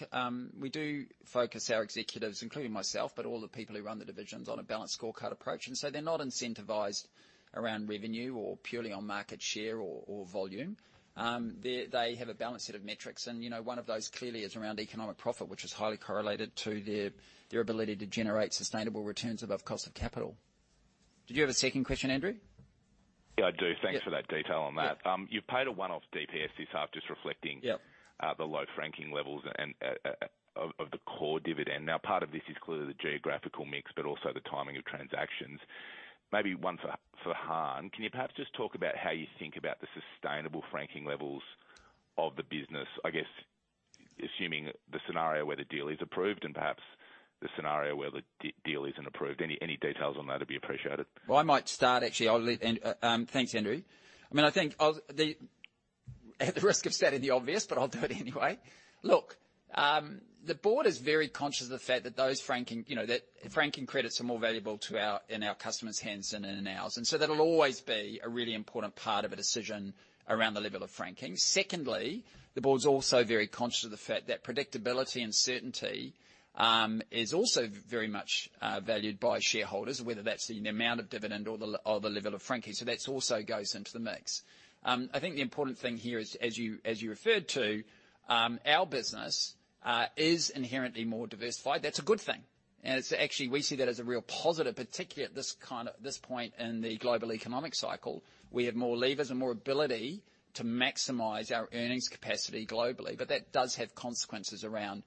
we do focus our executives, including myself, but all the people who run the divisions on a balanced scorecard approach. And so they're not incentivized around revenue or purely on market share or, or volume. They, they have a balanced set of metrics, and, you know, one of those clearly is around economic profit, which is highly correlated to their, their ability to generate sustainable returns above cost of capital. Did you have a second question, Andrew? Yeah, I do. Yeah. Thanks for that detail on that. Yeah. You've paid a one-off DPS this half, just reflecting. Yeah The low franking levels and of the core dividend. Now, part of this is clearly the geographical mix, but also the timing of transactions. Maybe one for Han. Can you perhaps just talk about how you think about the sustainable franking levels of the business? I guess, assuming the scenario where the deal is approved and perhaps the scenario where the deal isn't approved. Any details on that would be appreciated. Well, I might start, actually. Thanks, Andrew. I mean, I think, at the risk of stating the obvious, but I'll do it anyway. Look, the board is very conscious of the fact that those franking, you know, that franking credits are more valuable to our, in our customers' hands than in ours, and so that'll always be a really important part of a decision around the level of franking. Secondly, the board's also very conscious of the fact that predictability and certainty is also very much valued by shareholders, whether that's the amount of dividend or the level of franking, so that's also goes into the mix. I think the important thing here is, as you, as you referred to, our business is inherently more diversified. That's a good thing, and it's actually, we see that as a real positive, particularly at this point in the global economic cycle. We have more levers and more ability to maximize our earnings capacity globally, but that does have consequences around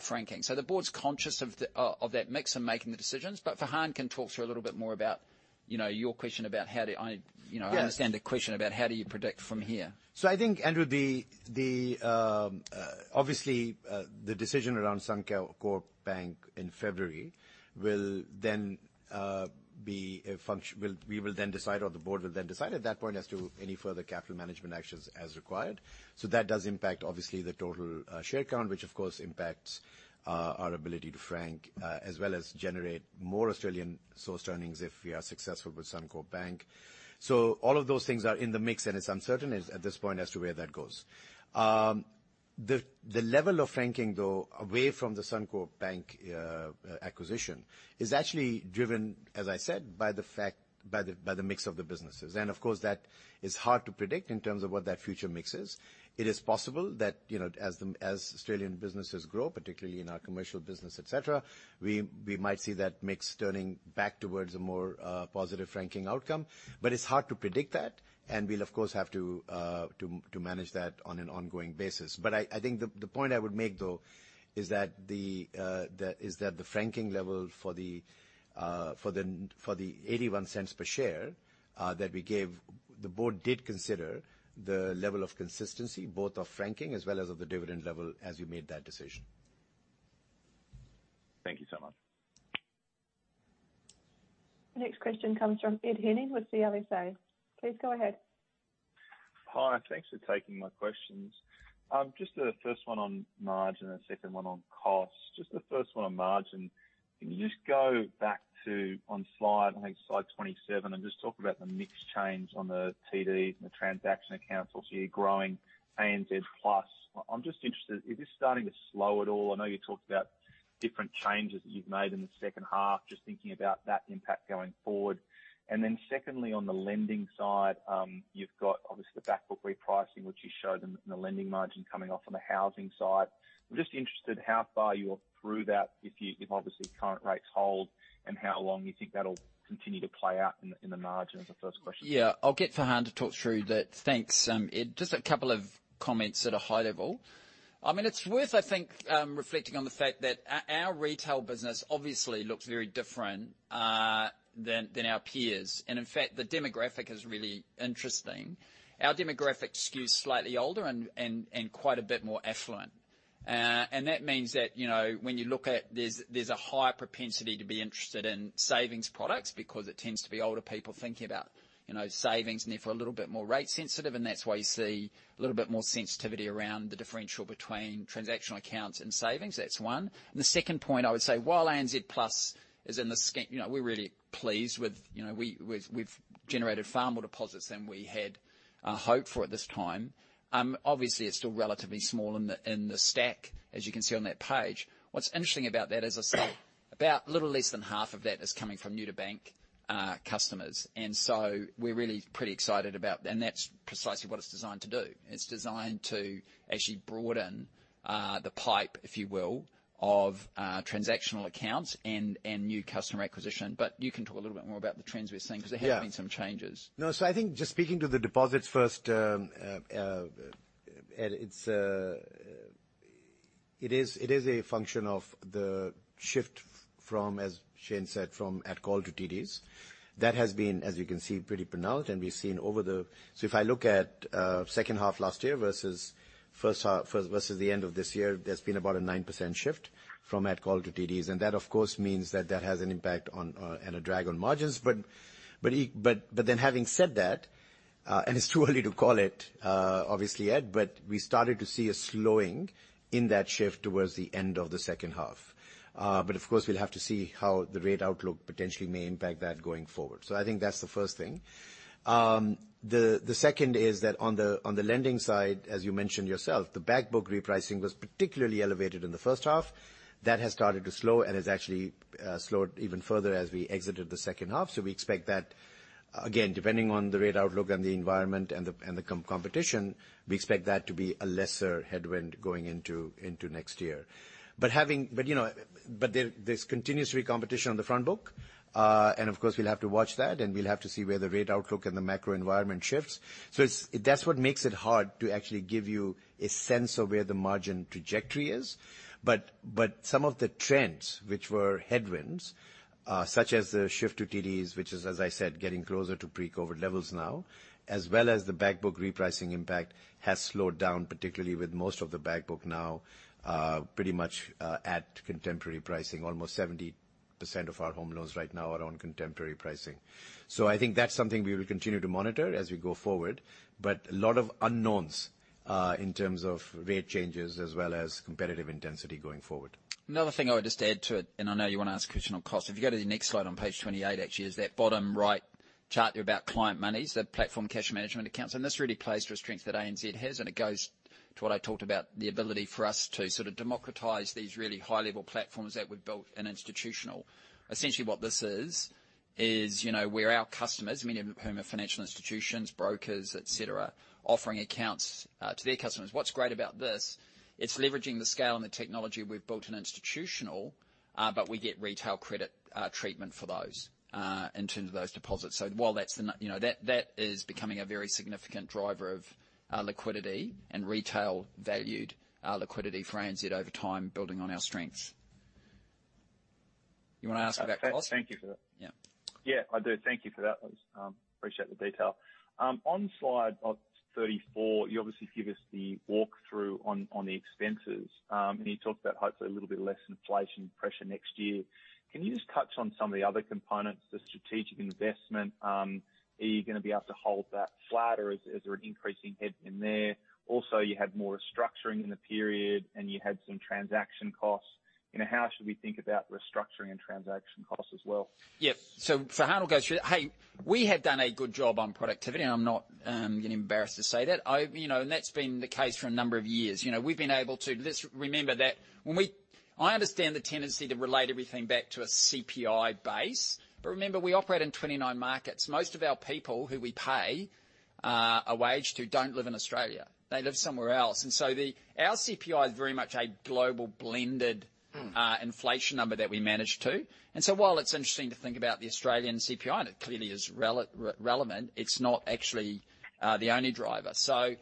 franking. So the board's conscious of that mix and making the decisions, but Farhan can talk to you a little bit more about, you know, your question about how do I. Yeah. You know, I understand the question about how do you predict from here. So I think, Andrew, obviously, the decision around Suncorp Bank in February will then, we will then decide, or the board will then decide at that point as to any further capital management actions as required. So that does impact, obviously, the total, share count, which of course impacts, our ability to frank, as well as generate more Australian source earnings if we are successful with Suncorp Bank. So all of those things are in the mix, and it's uncertain at this point as to where that goes. The level of franking, though, away from the Suncorp Bank, acquisition, is actually driven, as I said, by the fact by the mix of the businesses. And of course, that is hard to predict in terms of what that future mix is. It is possible that, you know, as Australian businesses grow, particularly in our commercial business, et cetera, we might see that mix turning back towards a more positive franking outcome. But it's hard to predict that, and we'll of course have to manage that on an ongoing basis. But I think the point I would make, though, is that the franking level for the 0.81 per share that we gave, the board did consider the level of consistency, both of franking as well as of the dividend level, as we made that decision. Thank you so much. The next question comes from Ed Henning with CIBC. Please go ahead. Hi, thanks for taking my questions. Just the first one on margin and second one on costs. Just the first one on margin. Can you just go back to on slide, I think it's slide 27, and just talk about the mix change on the TDs and the transaction accounts, so you're growing ANZ Plus. I'm just interested, is this starting to slow at all? I know you talked about different changes that you've made in the second half, just thinking about that impact going forward. And then secondly, on the lending side, you've got obviously the backbook repricing, which you showed in, in the lending margin coming off on the housing side. I'm just interested how far you are through that, if you, if obviously current rates hold, and how long you think that'll continue to play out in the margin, is the first question. Yeah. I'll get Farhan to talk through that. Thanks, Ed. Just a couple of comments at a high level. I mean, it's worth, I think, reflecting on the fact that our retail business obviously looks very different than our peers. And in fact, the demographic is really interesting. Our demographic skews slightly older and quite a bit more affluent. And that means that, you know, when you look at, there's a higher propensity to be interested in savings products, because it tends to be older people thinking about, you know, savings and therefore a little bit more rate sensitive, and that's why you see a little bit more sensitivity around the differential between transactional accounts and savings. That's one. And the second point, I would say, while ANZ Plus is in the, you know, we're really pleased with, you know, we've generated far more deposits than we had hoped for at this time. Obviously, it's still relatively small in the stack, as you can see on that page. What's interesting about that is, about a little less than half of that is coming from new to bank customers. And so we're really pretty excited about... And that's precisely what it's designed to do. It's designed to actually broaden the pipe, if you will, of transactional accounts and new customer acquisition. But you can talk a little bit more about the trends we're seeing. Yeah. Because there have been some changes. No, so I think just speaking to the deposits first, Ed, it is a function of the shift from, as Shane said, from at call to TDs. That has been, as you can see, pretty pronounced, and we've seen over the. So if I look at second half last year versus first half versus the end of this year, there's been about a 9% shift from at call to TDs, and that, of course, means that that has an impact on and a drag on margins. But then having said that, and it's too early to call it, obviously, Ed, but we started to see a slowing in that shift towards the end of the second half. But of course, we'll have to see how the rate outlook potentially may impact that going forward. So I think that's the first thing. The second is that on the lending side, as you mentioned yourself, the backbook repricing was particularly elevated in the first half. That has started to slow and has actually slowed even further as we exited the second half. So we expect that, again, depending on the rate outlook and the environment and the competition, we expect that to be a lesser headwind going into next year. But, you know, but there's continuously competition on the front book. And of course, we'll have to watch that, and we'll have to see where the rate outlook and the macro environment shifts. So it's, that's what makes it hard to actually give you a sense of where the margin trajectory is. But some of the trends, which were headwinds, such as the shift to TDs, which is, as I said, getting closer to pre-COVID levels now, as well as the backbook repricing impact, has slowed down, particularly with most of the backbook now pretty much at contemporary pricing. Almost 70% of our home loans right now are on contemporary pricing. So I think that's something we will continue to monitor as we go forward, but a lot of unknowns in terms of rate changes as well as competitive intensity going forward. Another thing I would just add to it, and I know you want to ask a question on cost. If you go to the next slide on page 28, actually, is that bottom right chart there about client monies, the platform cash management accounts. And this really plays to a strength that ANZ has, and it goes to what I talked about, the ability for us to sort of democratize these really high-level platforms that we've built in Institutional. Essentially, what this is, is, you know, where our customers, many of whom are financial institutions, brokers, et cetera, offering accounts to their customers. What's great about this, it's leveraging the scale and the technology we've built in Institutional, but we get retail credit treatment for those in terms of those deposits. So while that's the, you know, that is becoming a very significant driver of liquidity and retail-valued liquidity for ANZ over time, building on our strengths. You want to ask about costs? Thank you for that. Yeah. Yeah, I do. Thank you for that. Appreciate the detail. On slide 34, you obviously give us the walkthrough on the expenses. And you talked about hopefully a little bit less inflation pressure next year. Can you just touch on some of the other components, the strategic investment? Are you going to be able to hold that flat, or is there an increasing head in there? Also, you had more restructuring in the period and you had some transaction costs. You know, how should we think about restructuring and transaction costs as well? Yep. So Farhan will go through that. Hey, we have done a good job on productivity, and I'm not getting embarrassed to say that. You know, and that's been the case for a number of years. You know, we've been able to. Let's remember that when we. I understand the tendency to relate everything back to a CPI base, but remember, we operate in 29 markets. Most of our people who we pay a wage to don't live in Australia. They live somewhere else. And so the, our CPI is very much a global blended Inflation number that we manage to. And so while it's interesting to think about the Australian CPI, and it clearly is relevant, it's not actually the only driver. So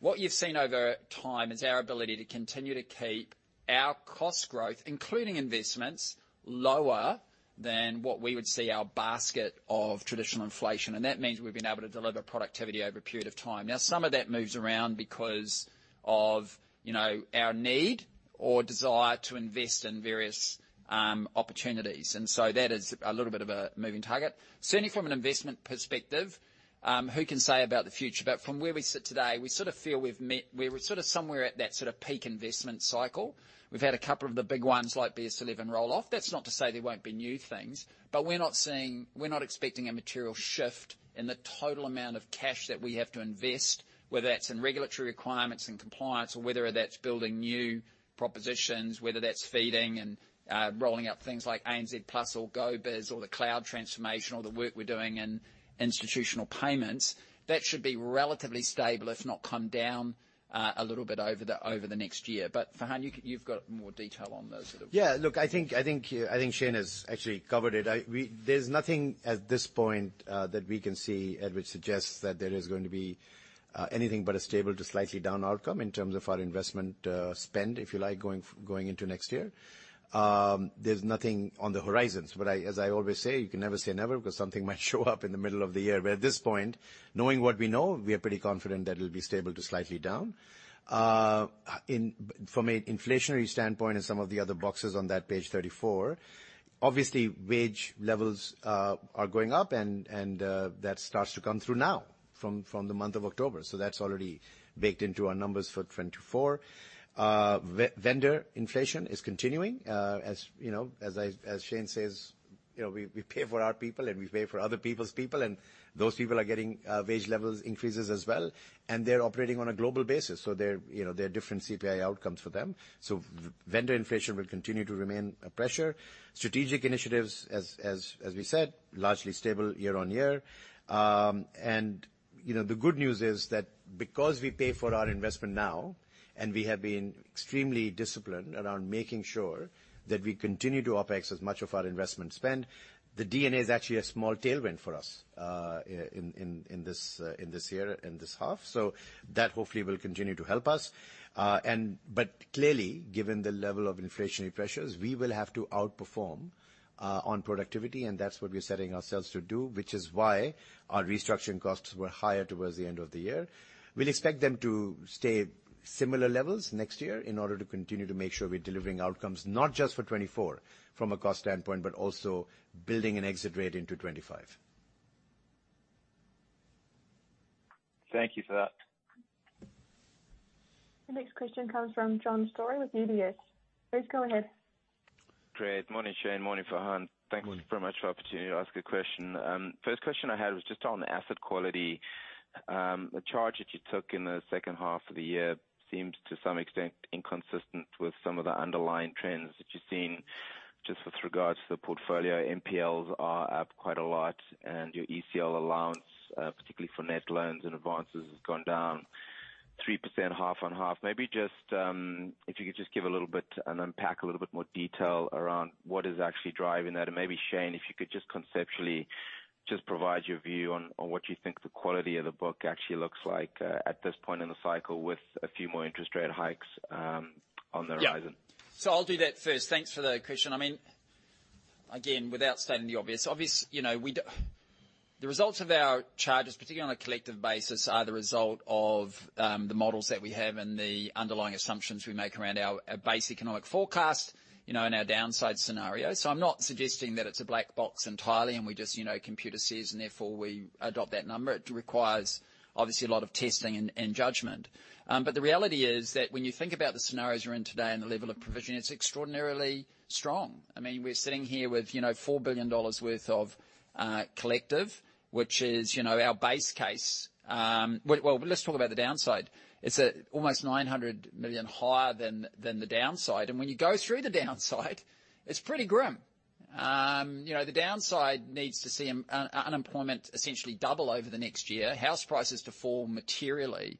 what you've seen over time is our ability to continue to keep our cost growth, including investments, lower than what we would see our basket of traditional inflation, and that means we've been able to deliver productivity over a period of time. Now, some of that moves around because of, you know, our need or desire to invest in various opportunities, and so that is a little bit of a moving target. Certainly, from an investment perspective, who can say about the future? But from where we sit today, we sort of feel we're sort of somewhere at that sort of peak investment cycle. We've had a couple of the big ones, like BS11, roll off. That's not to say there won't be new things, but we're not seeing, we're not expecting a material shift in the total amount of cash that we have to invest, whether that's in regulatory requirements and compliance, or whether that's building new propositions, whether that's feeding and rolling out things like ANZ Plus or GoBiz or the cloud transformation or the work we're doing in institutional payments. That should be relatively stable, if not come down a little bit over the next year. But, Farhan, you've got more detail on those sort of- Yeah, look, I think Shane has actually covered it. There's nothing at this point that we can see, Ed, which suggests that there is going to be anything but a stable to slightly down outcome in terms of our investment spend, if you like, going into next year. There's nothing on the horizons, but as I always say, you can never say never, because something might show up in the middle of the year. But at this point, knowing what we know, we are pretty confident that it'll be stable to slightly down. From an inflationary standpoint and some of the other boxes on that page 34, obviously, wage levels are going up, and that starts to come through now, from the month of October. So that's already baked into our numbers for 2024. Vendor inflation is continuing. As you know, as I, as Shane says, you know, we pay for our people, and we pay for other people's people, and those people are getting wage levels increases as well, and they're operating on a global basis, so there, you know, there are different CPI outcomes for them. So vendor inflation will continue to remain a pressure. Strategic initiatives, as we said, largely stable year-on-year. And you know, the good news is that because we pay for our investment now, and we have been extremely disciplined around making sure that we continue to OpEx as much of our investment spend, the D&A is actually a small tailwind for us in this year, in this half. So that hopefully will continue to help us. But clearly, given the level of inflationary pressures, we will have to outperform on productivity, and that's what we're setting ourselves to do, which is why our restructuring costs were higher towards the end of the year. We'll expect them to stay similar levels next year in order to continue to make sure we're delivering outcomes, not just for 2024 from a cost standpoint, but also building an exit rate into 2025. Thank you for that. The next question comes from John Storey with UBS. Please go ahead. Great. Morning, Shane. Morning, Farhan. Thanks very much for the opportunity to ask a question. First question I had was just on asset quality. The charge that you took in the second half of the year seems, to some extent, inconsistent with some of the underlying trends that you've seen, just with regards to the portfolio. NPLs are up quite a lot, and your ECL allowance, particularly for net loans and advances, has gone down 3%, half on half. Maybe just, if you could just give a little bit and unpack a little bit more detail around what is actually driving that. And maybe, Shane, if you could just conceptually just provide your view on, on what you think the quality of the book actually looks like, at this point in the cycle, with a few more interest rate hikes, on the horizon. Yeah. So I'll do that first. Thanks for the question. I mean, again, without stating the obvious, obvious, you know, we don't. The results of our charges, particularly on a collective basis, are the result of, the models that we have and the underlying assumptions we make around our, our base economic forecast, you know, and our downside scenario. So I'm not suggesting that it's a black box entirely and we just, you know, computer says, and therefore we adopt that number. It requires, obviously, a lot of testing and judgment. But the reality is that when you think about the scenarios we're in today and the level of provision, it's extraordinarily strong. I mean, we're sitting here with, you know, 4 billion dollars worth of collective, which is, you know, our base case. Well, let's talk about the downside. It's almost 900 million higher than the downside, and when you go through the downside, it's pretty grim. You know, the downside needs to see unemployment essentially double over the next year, house prices to fall materially,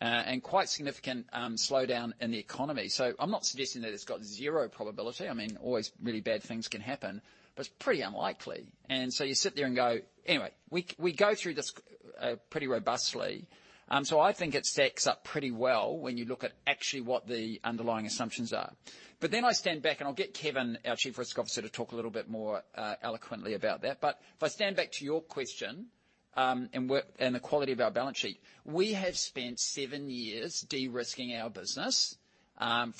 and quite significant slowdown in the economy. So I'm not suggesting that it's got zero probability. I mean, always really bad things can happen, but it's pretty unlikely. And so you sit there and go. Anyway, we go through this pretty robustly. So I think it stacks up pretty well when you look at actually what the underlying assumptions are. But then I stand back, and I'll get Kevin, our Chief Risk Officer, to talk a little bit more eloquently about that. But if I stand back to your question, and what, and the quality of our balance sheet, we have spent seven years de-risking our business, and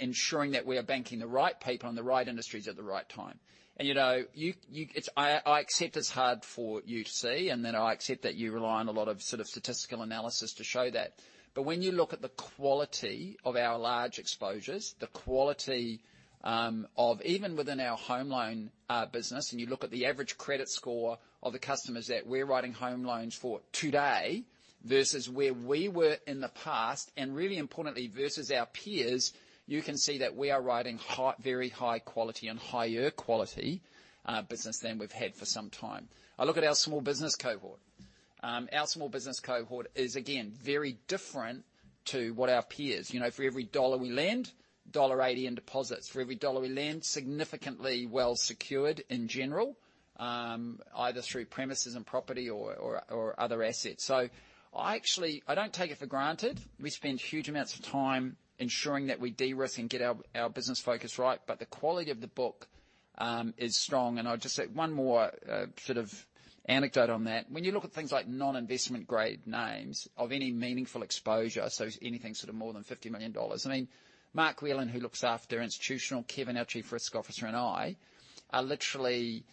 ensuring that we are banking the right people in the right industries at the right time. And, you know, you, it's, I accept it's hard for you to see, and then I accept that you rely on a lot of sort of statistical analysis to show that. But when you look at the quality of our large exposures, the quality, of even within our home loan, business, and you look at the average credit score of the customers that we're writing home loans for today, versus where we were in the past, and really importantly, versus our peers, you can see that we are writing high, very high quality and higher quality, business than we've had for some time. I look at our small business cohort. Our small business cohort is, again, very different to what our peers. You know, for every dollar we lend, dollar 1.80 in deposits. For every dollar we lend, significantly well secured in general, either through premises and property or other assets. So I actually, I don't take it for granted. We spend huge amounts of time ensuring that we de-risk and get our business focus right, but the quality of the book is strong. I'll just say one more sort of anecdote on that. When you look at things like non-investment grade names of any meaningful exposure, so anything sort of more than 50 million dollars. I mean, Mark Whelan, who looks after Institutional, Kevin, our Chief Risk Officer, and I are literally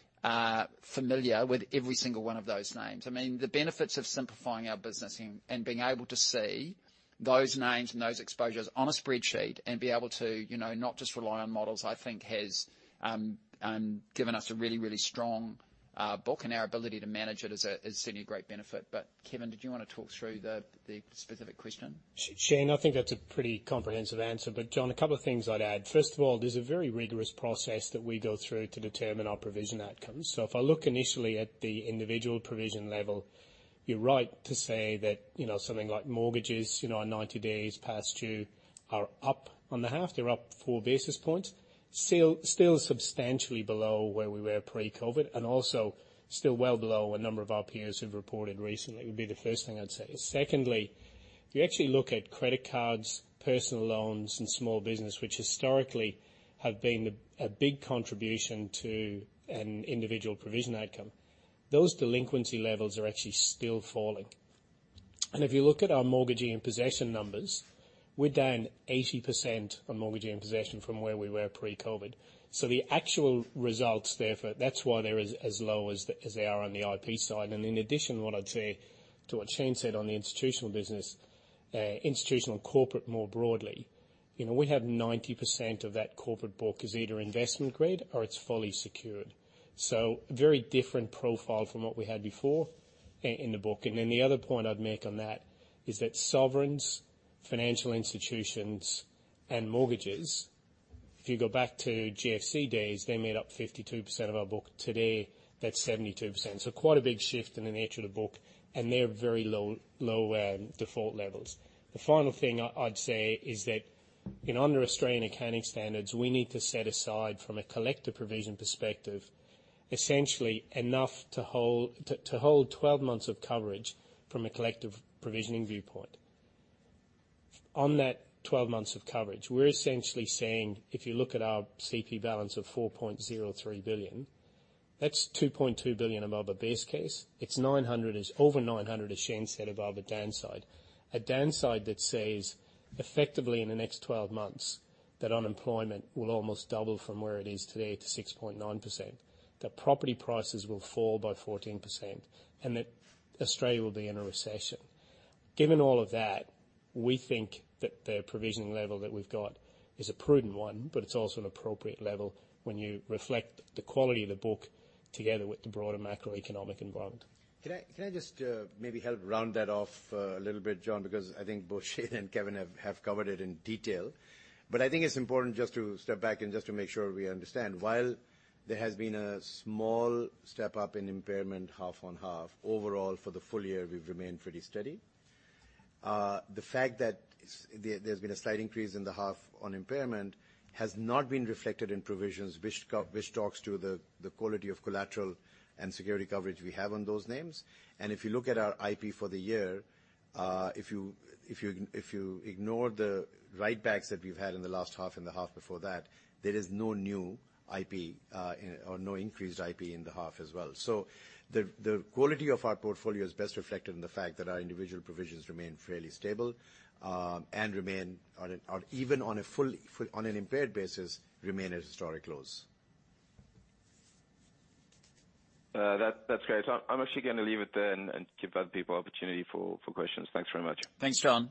familiar with every single one of those names. I mean, the benefits of simplifying our business and being able to see those names and those exposures on a spreadsheet and be able to, you know, not just rely on models, I think has given us a really, really strong book, and our ability to manage it is certainly a great benefit. But, Kevin, did you want to talk through the specific question? Shayne, I think that's a pretty comprehensive answer, but John, a couple of things I'd add. First of all, there's a very rigorous process that we go through to determine our provision outcomes. So if I look initially at the individual provision level, you're right to say that, you know, something like mortgages, you know, are 90 days past due, are up on the half, they're up 4 basis points. Still, still substantially below where we were pre-COVID, and also still well below a number of our peers who've reported recently, would be the first thing I'd say. Secondly, if you actually look at credit cards, personal loans, and small business, which historically have been the, a big contribution to an individual provision outcome, those delinquency levels are actually still falling. And if you look at our mortgage possession numbers, we're down 80% on mortgage possession from where we were pre-COVID. So the actual results therefore, that's why they're as low as they are on the IP side. And in addition, what I'd say to what Shane said on the institutional business, institutional and corporate more broadly, you know, we have 90% of that corporate book is either investment grade or it's fully secured. So a very different profile from what we had before in the book. And then the other point I'd make on that is that sovereigns, financial institutions, and mortgages, if you go back to GFC days, they made up 52% of our book. Today, that's 72%. So quite a big shift in the nature of the book, and they're very low default levels. The final thing I'd say is that, under Australian accounting standards, we need to set aside, from a collective provision perspective, essentially enough to hold 12 months of coverage from a collective provisioning viewpoint. On that 12 months of coverage, we're essentially saying, if you look at our CP balance of 4.03 billion, that's 2.2 billion above a base case. It's 900, it's over 900, as Shane said, above a downside. A downside that says effectively in the next 12 months, that unemployment will almost double from where it is today to 6.9%, that property prices will fall by 14%, and that Australia will be in a recession. Given all of that, we think that the provisioning level that we've got is a prudent one, but it's also an appropriate level when you reflect the quality of the book together with the broader macroeconomic environment. Can I just maybe help round that off a little bit, John? Because I think both Shane and Kevin have covered it in detail. But I think it's important just to step back and just to make sure we understand. While there has been a small step up in impairment, half on half, overall for the full year, we've remained pretty steady. The fact that there's been a slight increase in the half on impairment has not been reflected in provisions, which talks to the quality of collateral and security coverage we have on those names. If you look at our IP for the year, if you ignore the write backs that we've had in the last half and the half before that, there is no new IP, or no increased IP in the half as well. So the quality of our portfolio is best reflected in the fact that our individual provisions remain fairly stable, and remain on an even on a full impaired basis, remain at historic lows. That's great. So I'm actually going to leave it there and give other people opportunity for questions. Thanks very much. Thanks, John.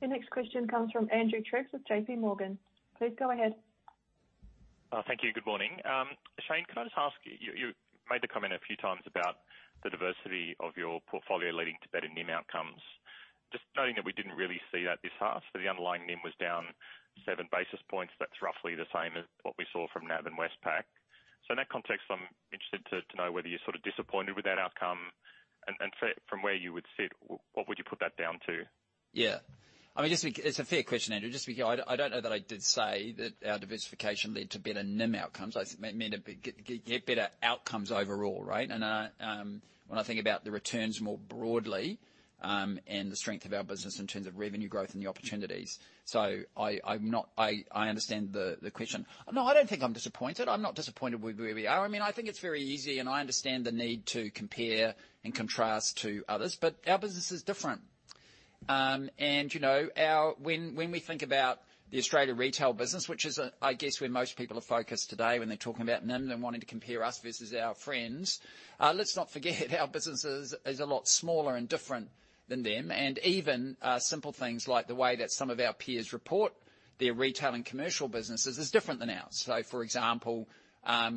The next question comes from Andrew Triggs with JP Morgan. Please go ahead. Thank you. Good morning. Shane, can I just ask you, you made the comment a few times about the diversity of your portfolio leading to better NIM outcomes. Just noting that we didn't really see that this half, so the underlying NIM was down seven basis points. That's roughly the same as what we saw from NAB and Westpac. So in that context, I'm interested to know whether you're sort of disappointed with that outcome, and so from where you would sit, what would you put that down to? Yeah. I mean, just to be. it's a fair question, Andrew. Just to be clear, I don't, I don't know that I did say that our diversification led to better NIM outcomes. I meant to get better outcomes overall, right? And, when I think about the returns more broadly, and the strength of our business in terms of revenue growth and the opportunities, so I'm not. I, I understand the, the question. No, I don't think I'm disappointed. I'm not disappointed with where we are. I mean, I think it's very easy, and I understand the need to compare and contrast to others, but our business is different. you know, when we think about the Australia retail business, which is, I guess, where most people are focused today when they're talking about NIM and wanting to compare us versus our friends, let's not forget our business is a lot smaller and different than them. And even simple things like the way that some of our peers report their retail and commercial businesses is different than ours. So, for example,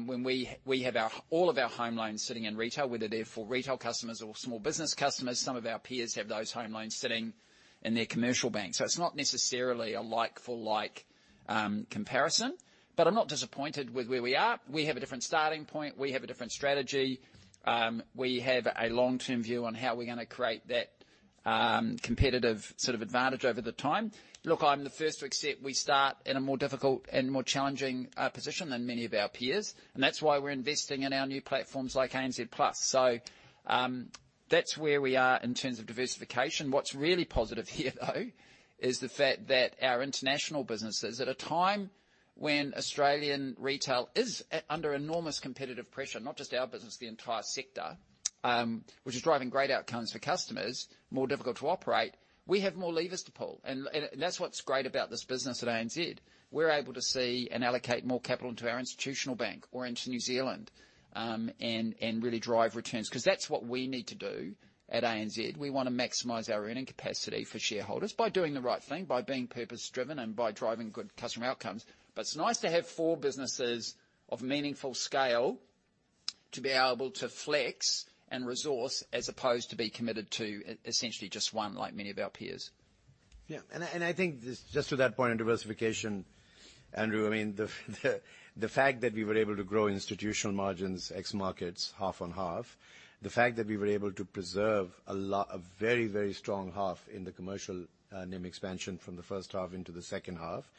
when we have our all of our home loans sitting in retail, whether they're for retail customers or small business customers, some of our peers have those home loans sitting in their commercial bank. So it's not necessarily a like for like comparison, but I'm not disappointed with where we are. We have a different starting point. We have a different strategy. We have a long-term view on how we're going to create that competitive sort of advantage over the time. Look, I'm the first to accept we start in a more difficult and more challenging position than many of our peers, and that's why we're investing in our new platforms like ANZ Plus. So, that's where we are in terms of diversification. What's really positive here, though, is the fact that our international businesses, at a time when Australian retail is under enormous competitive pressure, not just our business, the entire sector, which is driving great outcomes for customers, more difficult to operate, we have more levers to pull. And, and that's what's great about this business at ANZ. We're able to see and allocate more capital into our institutional bank or into New Zealand, and really drive returns, because that's what we need to do at ANZ. We want to maximize our earning capacity for shareholders by doing the right thing, by being purpose-driven, and by driving good customer outcomes. But it's nice to have four businesses of meaningful scale to be able to flex and resource, as opposed to be committed to essentially just one, like many of our peers. Yeah. And I, and I think just to that point in diversification, Andrew, I mean, the, the fact that we were able to grow institutional margins, ex markets, half on half, the fact that we were able to preserve a lo- a very, very strong half in the commercial, NIM expansion from the first half into the second half,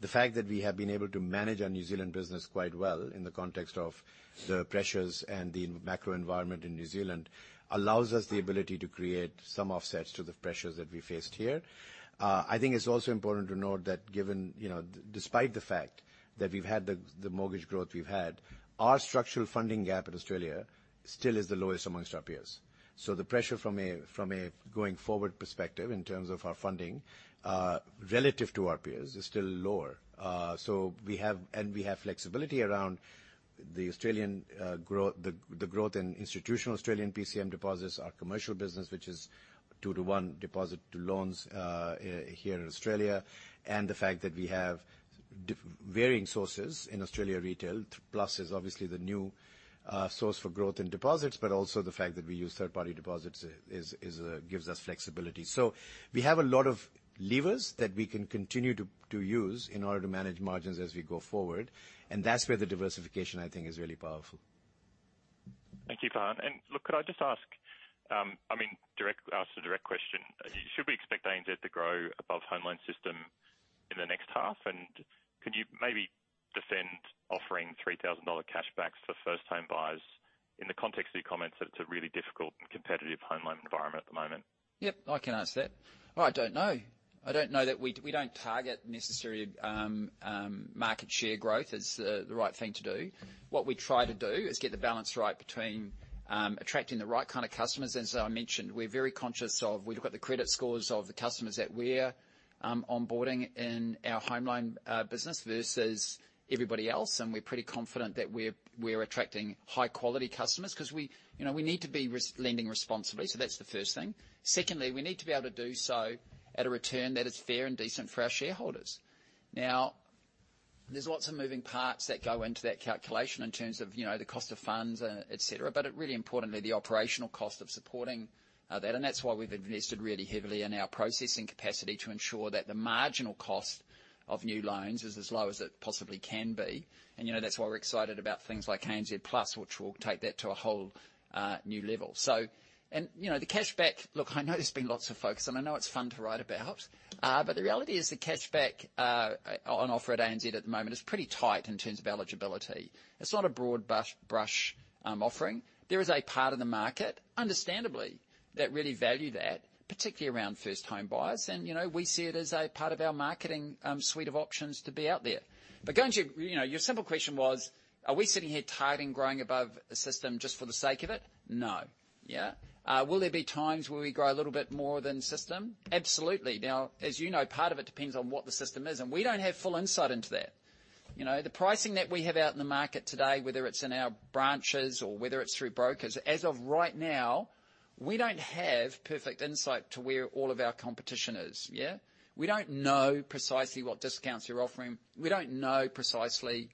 the fact that we have been able to manage our New Zealand business quite well in the context of the pressures and the macro environment in New Zealand, allows us the ability to create some offsets to the pressures that we faced here. I think it's also important to note that given, you know, despite the fact that we've had the, the mortgage growth we've had, our structural funding gap in Australia still is the lowest amongst our peers. So the pressure from a going forward perspective in terms of our funding relative to our peers is still lower. So we have flexibility around the Australian growth, the growth in institutional Australian PCM deposits, our commercial business, which is 2 to 1 deposit to loans here in Australia, and the fact that we have varying sources in Australian retail. Plus is obviously the new source for growth in deposits, but also the fact that we use third-party deposits gives us flexibility. So we have a lot of levers that we can continue to use in order to manage margins as we go forward, and that's where the diversification, I think, is really powerful. Thank you, Farhan. And look, could I just ask, I mean, ask a direct question: Should we expect ANZ to grow above home loan system in the next half? And could you maybe defend offering 3,000-dollar cashbacks for first-time buyers in the context of your comments that it's a really difficult and competitive home loan environment at the moment? Yep, I can answer that. I don't know. I don't know that we don't target necessarily market share growth as the right thing to do. What we try to do is get the balance right between attracting the right kind of customers. As I mentioned, we're very conscious of... We look at the credit scores of the customers that we're onboarding in our home loan business versus everybody else, and we're pretty confident that we're attracting high-quality customers, 'cause we, you know, we need to be responsible, lending responsibly. So that's the first thing. Secondly, we need to be able to do so at a return that is fair and decent for our shareholders. Now, there's lots of moving parts that go into that calculation in terms of, you know, the cost of funds, et cetera, but really importantly, the operational cost of supporting that. And that's why we've invested really heavily in our processing capacity, to ensure that the marginal cost of new loans is as low as it possibly can be. And, you know, that's why we're excited about things like ANZ Plus, which will take that to a whole new level. So, and, you know, the cashback, look, I know there's been lots of focus, and I know it's fun to write about, but the reality is, the cashback on offer at ANZ at the moment is pretty tight in terms of eligibility. It's not a broad brush offering. There is a part of the market, understandably, that really value that, particularly around first home buyers, and, you know, we see it as a part of our marketing suite of options to be out there. But going to your, you know, your simple question was, are we sitting here targeting growing above the system just for the sake of it? No. Yeah. Will there be times where we grow a little bit more than the system? Absolutely. Now, as you know, part of it depends on what the system is, and we don't have full insight into that. You know, the pricing that we have out in the market today, whether it's in our branches or whether it's through brokers, as of right now, we don't have perfect insight to where all of our competition is. Yeah? We don't know precisely what discounts they're offering. We don't know precisely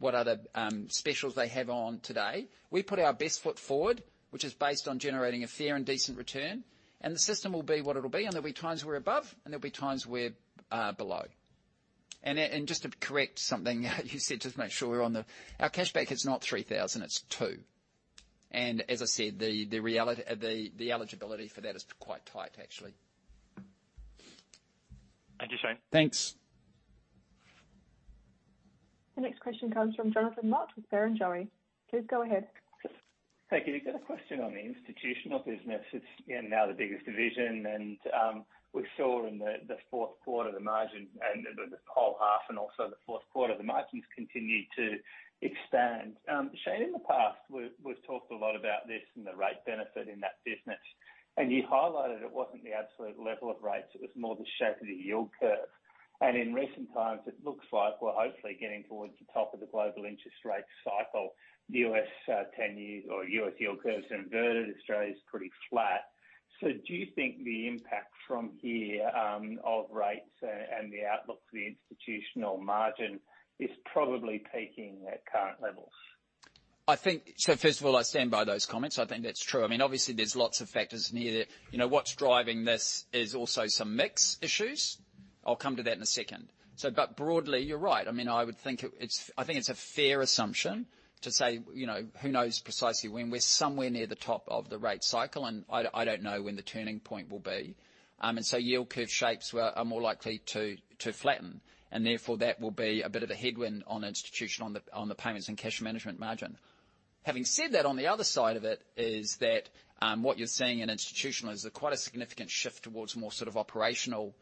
what other specials they have on today. We put our best foot forward, which is based on generating a fair and decent return, and the system will be what it'll be, and there'll be times we're above, and there'll be times we're below. And just to correct something you said, just to make sure we're on the. Our cashback is not 3,000, it's 2. And as I said, the reality, the eligibility for that is quite tight, actually. Thank you, Shayne. Thanks. The next question comes from Jonathan Mott with Barrenjoey. Please go ahead. Thank you. I've got a question on the institutional business. It's, you know, now the biggest division, and we saw in the fourth quarter, the margin and the whole half, and also the fourth quarter, the margins continued to expand. Shane, in the past, we've talked a lot about this and the rate benefit in that business, and you highlighted it wasn't the absolute level of rates, it was more the shape of the yield curve. And in recent times, it looks like we're hopefully getting towards the top of the global interest rate cycle. The U.S. ten-year or U.S. yield curve's inverted, Australia's pretty flat. So do you think the impact from here of rates and the outlook for the institutional margin is probably peaking at current levels? I think. So first of all, I stand by those comments. I think that's true. I mean, obviously, there's lots of factors in here that, you know, what's driving this is also some mix issues. I'll come to that in a second. So but broadly, you're right. I mean, I would think it's a fair assumption to say, you know, who knows precisely when we're somewhere near the top of the rate cycle, and I, I don't know when the turning point will be. And so yield curve shapes were, are more likely to, to flatten, and therefore, that will be a bit of a headwind on institutional, on the, on the payments and cash management margin. Having said that, on the other side of it is that, what you're seeing in institutional is quite a significant shift towards more sort of operational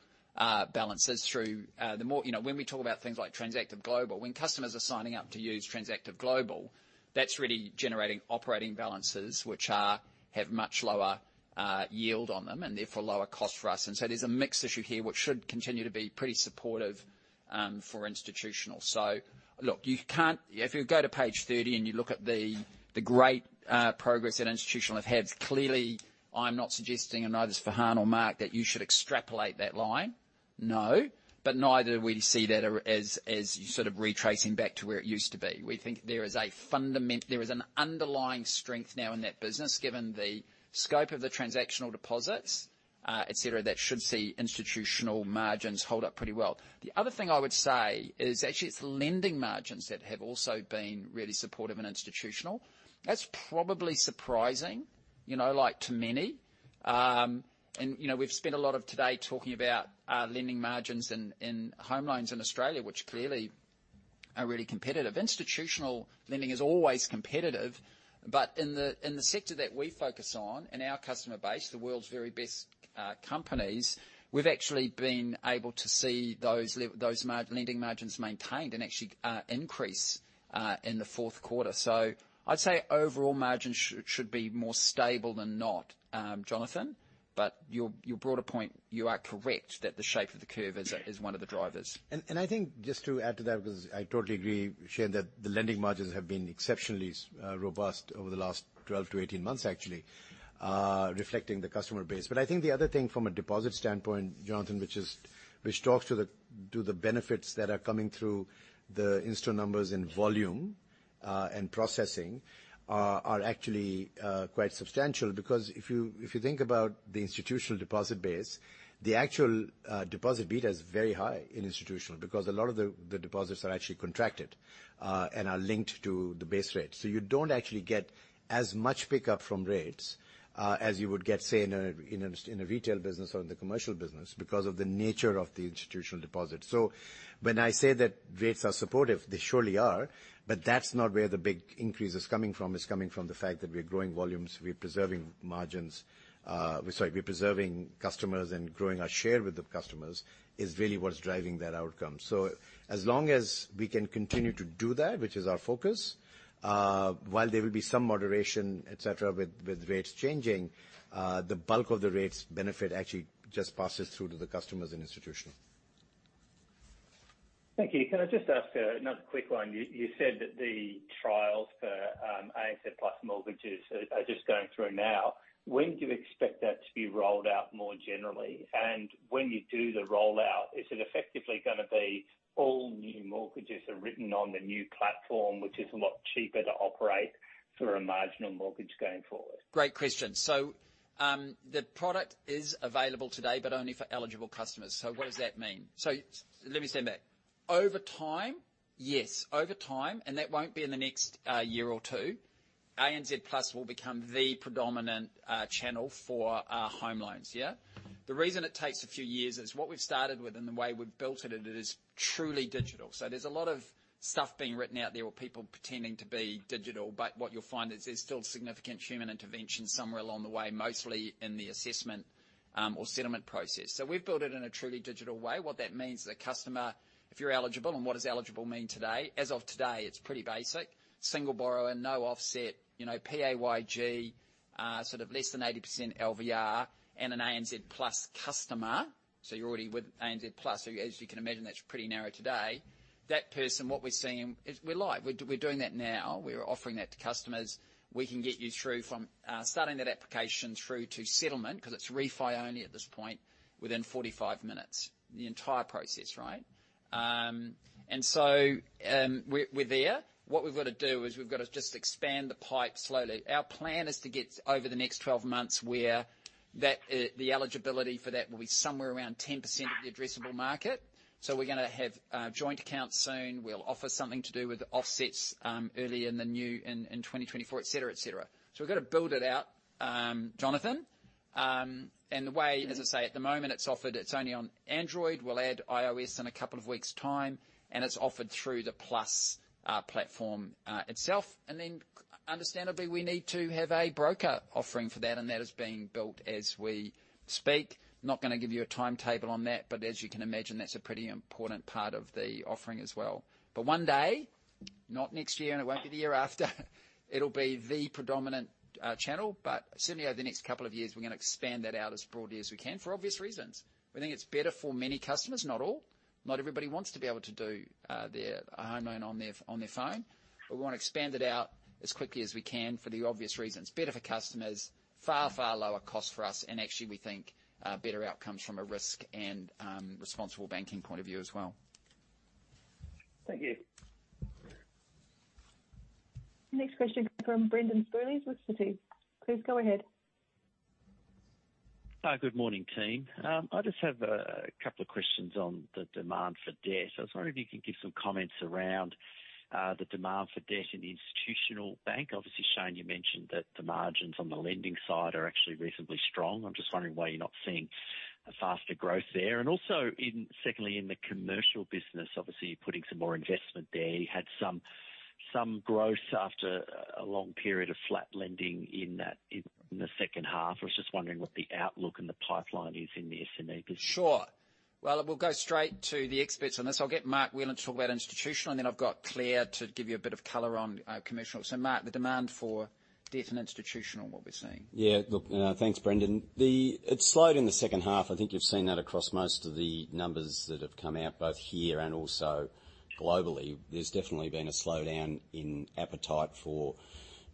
balances through. You know, when we talk about things like Transactive Global, when customers are signing up to use Transactive Global, that's really generating operating balances, which are have much lower yield on them and therefore lower cost for us. And so there's a mix issue here, which should continue to be pretty supportive for institutional. So look, you can't if you go to page 30 and you look at the great progress that institutional have had, clearly, I'm not suggesting, and neither is Farhan or Mark, that you should extrapolate that line. No. But neither do we see that as sort of retracing back to where it used to be. We think there is an underlying strength now in that business, given the scope of the transactional deposits, et cetera, that should see institutional margins hold up pretty well. The other thing I would say is actually it's the lending margins that have also been really supportive in institutional. That's probably surprising, you know, like, to many. And, you know, we've spent a lot of today talking about lending margins in home loans in Australia, which clearly are really competitive. Institutional lending is always competitive, but in the sector that we focus on, in our customer base, the world's very best companies, we've actually been able to see those lending margins maintained and actually increase in the fourth quarter. So I'd say overall margins should be more stable than not, Jonathan. But your broader point, you are correct that the shape of the curve is one of the drivers. And I think, just to add to that, because I totally agree, Shane, that the lending margins have been exceptionally robust over the last 12-18 months, actually, reflecting the customer base. But I think the other thing from a deposit standpoint, Jonathan, which talks to the benefits that are coming through the Insta numbers in volume and processing are actually quite substantial. Because if you think about the institutional deposit base, the actual deposit beta is very high in institutional, because a lot of the deposits are actually contracted and are linked to the base rate. So you don't actually get as much pickup from rates as you would get, say, in a retail business or in the commercial business, because of the nature of the institutional deposit. So when I say that rates are supportive, they surely are, but that's not where the big increase is coming from. It's coming from the fact that we're growing volumes, we're preserving margins, sorry, we're preserving customers and growing our share with the customers, is really what is driving that outcome. So as long as we can continue to do that, which is our focus, while there will be some moderation, et cetera, with rates changing, the bulk of the rates benefit actually just passes through to the customers and institutional. Thank you. Can I just ask another quick one? You said that the trials for ANZ Plus mortgages are just going through now. When do you expect that to be rolled out more generally? And when you do the rollout, is it effectively going to be all new mortgages are written on the new platform, which is a lot cheaper to operate for a marginal mortgage going forward? Great question. So, the product is available today, but only for eligible customers. So what does that mean? So let me say that. Over time, yes, over time, and that won't be in the next year or two, ANZ Plus will become the predominant channel for home loans. Yeah? The reason it takes a few years is what we've started with and the way we've built it, it is truly digital. So there's a lot of stuff being written out there or people pretending to be digital, but what you'll find is there's still significant human intervention somewhere along the way, mostly in the assessment or settlement process. So we've built it in a truly digital way. What that means is the customer, if you're eligible. And what does eligible mean today? As of today, it's pretty basic: single borrower, no offset, you know, PAYG, sort of less than 80% LVR, and an ANZ Plus customer. So you're already with ANZ Plus. So as you can imagine, that's pretty narrow today. That person, what we're seeing is we're live. We're doing that now. We're offering that to customers. We can get you through from starting that application through to settlement, 'cause it's refi only at this point, within 45 minutes, the entire process, right? And so, we're there. What we've got to do is we've got to just expand the pipe slowly. Our plan is to get over the next 12 months where that, the eligibility for that will be somewhere around 10% of the addressable market. So we're going to have joint accounts soon. We'll offer something to do with offsets early in the new year in 2024, etc., etc. So we've got to build it out, Jonathan. And the way, as I say, at the moment, it's offered, it's only on Android. We'll add iOS in a couple of weeks' time, and it's offered through the Plus platform itself. And then understandably, we need to have a broker offering for that, and that is being built as we speak. Not going to give you a timetable on that, but as you can imagine, that's a pretty important part of the offering as well. But one day, not next year, and it won't be the year after. It'll be the predominant channel, but certainly over the next couple of years, we're going to expand that out as broadly as we can, for obvious reasons. We think it's better for many customers, not all. Not everybody wants to be able to do their home loan on their phone. But we want to expand it out as quickly as we can for the obvious reasons. Better for customers, far, far lower cost for us, and actually, we think better outcomes from a risk and responsible banking point of view as well. Thank you. Next question from Brendan Spurlings with Citi. Please go ahead. Hi, good morning, team. I just have a couple of questions on the demand for debt. I was wondering if you could give some comments around the demand for debt in the institutional bank. Obviously, Shane, you mentioned that the margins on the lending side are actually reasonably strong. I'm just wondering why you're not seeing a faster growth there. And also, secondly, in the commercial business, obviously, you're putting some more investment there. You had some growth after a long period of flat lending in the second half. I was just wondering what the outlook and the pipeline is in the SME business. Sure. Well, we'll go straight to the experts on this. I'll get Mark Whelan to talk about institutional, and then I've got Claire to give you a bit of color on, commercial. So Mark, the demand for debt and institutional, what we're seeing. Yeah, look, thanks, Brendan. It slowed in the second half. I think you've seen that across most of the numbers that have come out, both here and also globally. There's definitely been a slowdown in appetite for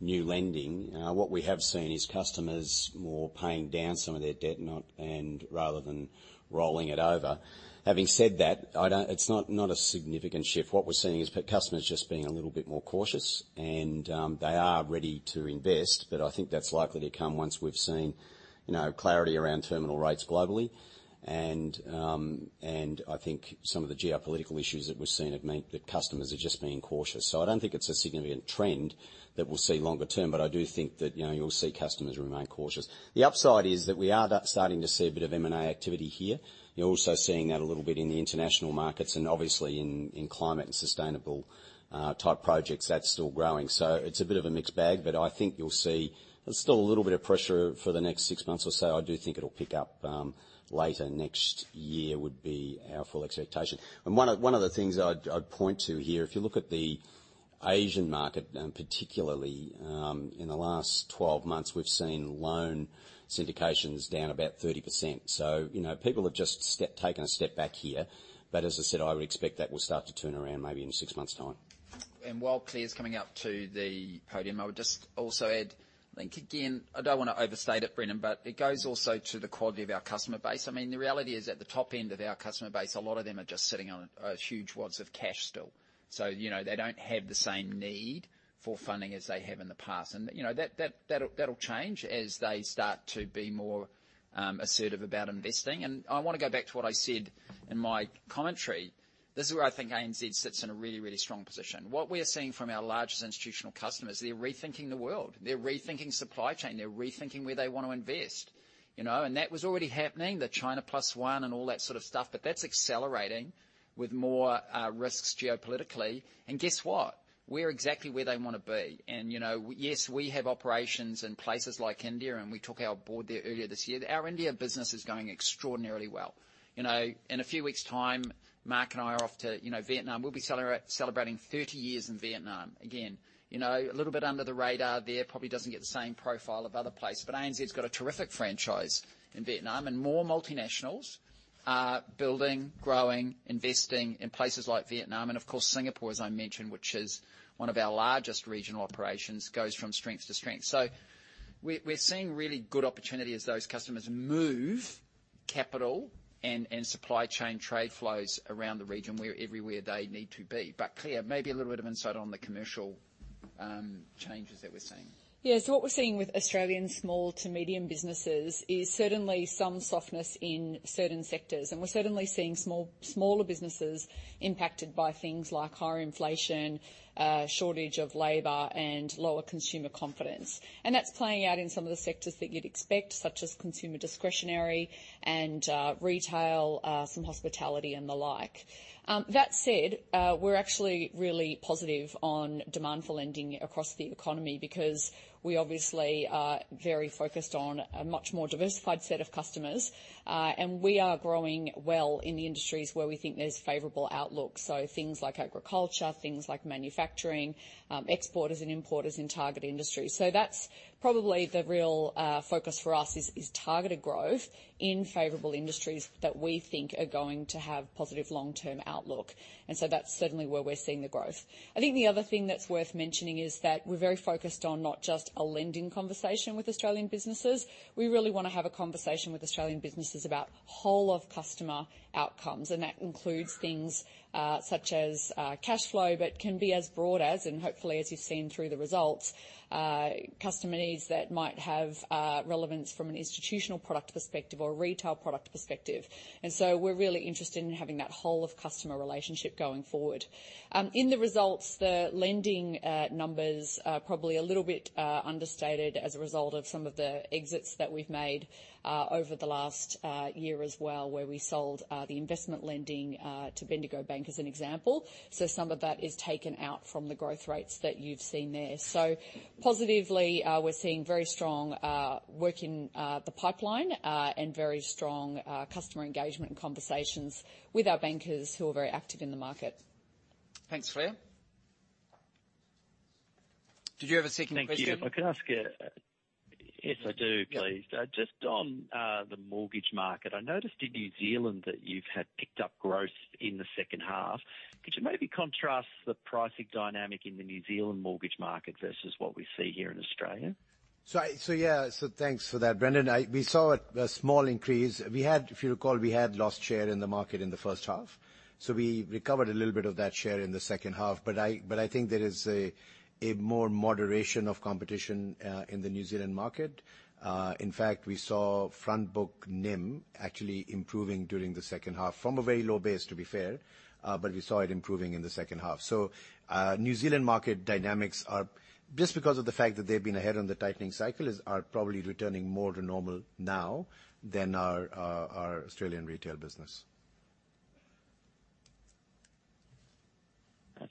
new lending. What we have seen is customers more paying down some of their debt, not, and rather than rolling it over. Having said that, it's not, not a significant shift. What we're seeing is customers just being a little bit more cautious, and they are ready to invest, but I think that's likely to come once we've seen, you know, clarity around terminal rates globally. And, and I think some of the geopolitical issues that we've seen have meant that customers are just being cautious. So I don't think it's a significant trend that we'll see longer term, but I do think that, you know, you'll see customers remain cautious. The upside is that we are starting to see a bit of M&A activity here. You're also seeing that a little bit in the international markets and obviously in, in climate and sustainable type projects. That's still growing. So it's a bit of a mixed bag, but I think you'll see there's still a little bit of pressure for the next six months or so. I do think it'll pick up later next year, would be our full expectation. And one of, one of the things I'd, I'd point to here, if you look at the Asian market, particularly, in the last 12 months, we've seen loan syndications down about 30%. So, you know, people have just taken a step back here, but as I said, I would expect that will start to turn around maybe in six months' time. While Claire's coming up to the podium, I would just also add, I think, again, I don't want to overstate it, Brendan, but it goes also to the quality of our customer base. I mean, the reality is, at the top end of our customer base, a lot of them are just sitting on huge wads of cash still. So, you know, they don't have the same need for funding as they have in the past. And, you know, that'll change as they start to be more assertive about investing. And I want to go back to what I said in my commentary. This is where I think ANZ sits in a really, really strong position. What we are seeing from our largest institutional customers, they're rethinking the world, they're rethinking supply chain, they're rethinking where they want to invest. You know, and that was already happening, the China Plus One and all that sort of stuff, but that's accelerating with more risks geopolitically. And guess what? We're exactly where they want to be. And, you know, yes, we have operations in places like India, and we took our board there earlier this year. Our India business is going extraordinarily well. You know, in a few weeks' time, Mark and I are off to, you know, Vietnam. We'll be celebrating 30 years in Vietnam. Again, you know, a little bit under the radar there, probably doesn't get the same profile of other places, but ANZ's got a terrific franchise in Vietnam, and more multinationals are building, growing, investing in places like Vietnam. And of course, Singapore, as I mentioned, which is one of our largest regional operations, goes from strength to strength. So we're seeing really good opportunity as those customers move capital and supply chain trade flows around the region. We're everywhere they need to be. But Claire, maybe a little bit of insight on the commercial changes that we're seeing. Yeah, so what we're seeing with Australian small to medium businesses is certainly some softness in certain sectors, and we're certainly seeing smaller businesses impacted by things like higher inflation, shortage of labor, and lower consumer confidence. And that's playing out in some of the sectors that you'd expect, such as consumer discretionary and retail, some hospitality, and the like. That said, we're actually really positive on demand for lending across the economy because we obviously are very focused on a much more diversified set of customers, and we are growing well in the industries where we think there's favorable outlook. So things like agriculture, things like manufacturing, exporters and importers in target industries. So that's probably the real focus for us, is targeted growth in favorable industries that we think are going to have positive long-term outlook. So that's certainly where we're seeing the growth. I think the other thing that's worth mentioning is that we're very focused on not just a lending conversation with Australian businesses. We really want to have a conversation with Australian businesses about whole of customer outcomes, and that includes things, such as, cash flow, but can be as broad as, and hopefully, as you've seen through the results, customer needs that might have relevance from an institutional product perspective or a retail product perspective. So we're really interested in having that whole of customer relationship going forward. In the results, the lending numbers are probably a little bit understated as a result of some of the exits that we've made over the last year as well, where we sold the investment lending to Bendigo Bank, as an example. So some of that is taken out from the growth rates that you've seen there. So positively, we're seeing very strong work in the pipeline, and very strong customer engagement and conversations with our bankers, who are very active in the market. Thanks, Claire. Did you have a second question? Thank you. I can ask, yes, I do, please. Just on the mortgage market, I noticed in New Zealand that you've had picked up growth in the second half. Could you maybe contrast the pricing dynamic in the New Zealand mortgage market versus what we see here in Australia? So, yeah, so thanks for that, Brendan. We saw a small increase. We had, if you recall, we had lost share in the market in the first half, so we recovered a little bit of that share in the second half. But I think there is a more moderation of competition in the New Zealand market. In fact, we saw front book NIM actually improving during the second half from a very low base, to be fair, but we saw it improving in the second half. So, New Zealand market dynamics are just because of the fact that they've been ahead on the tightening cycle, are probably returning more to normal now than our Australian retail business.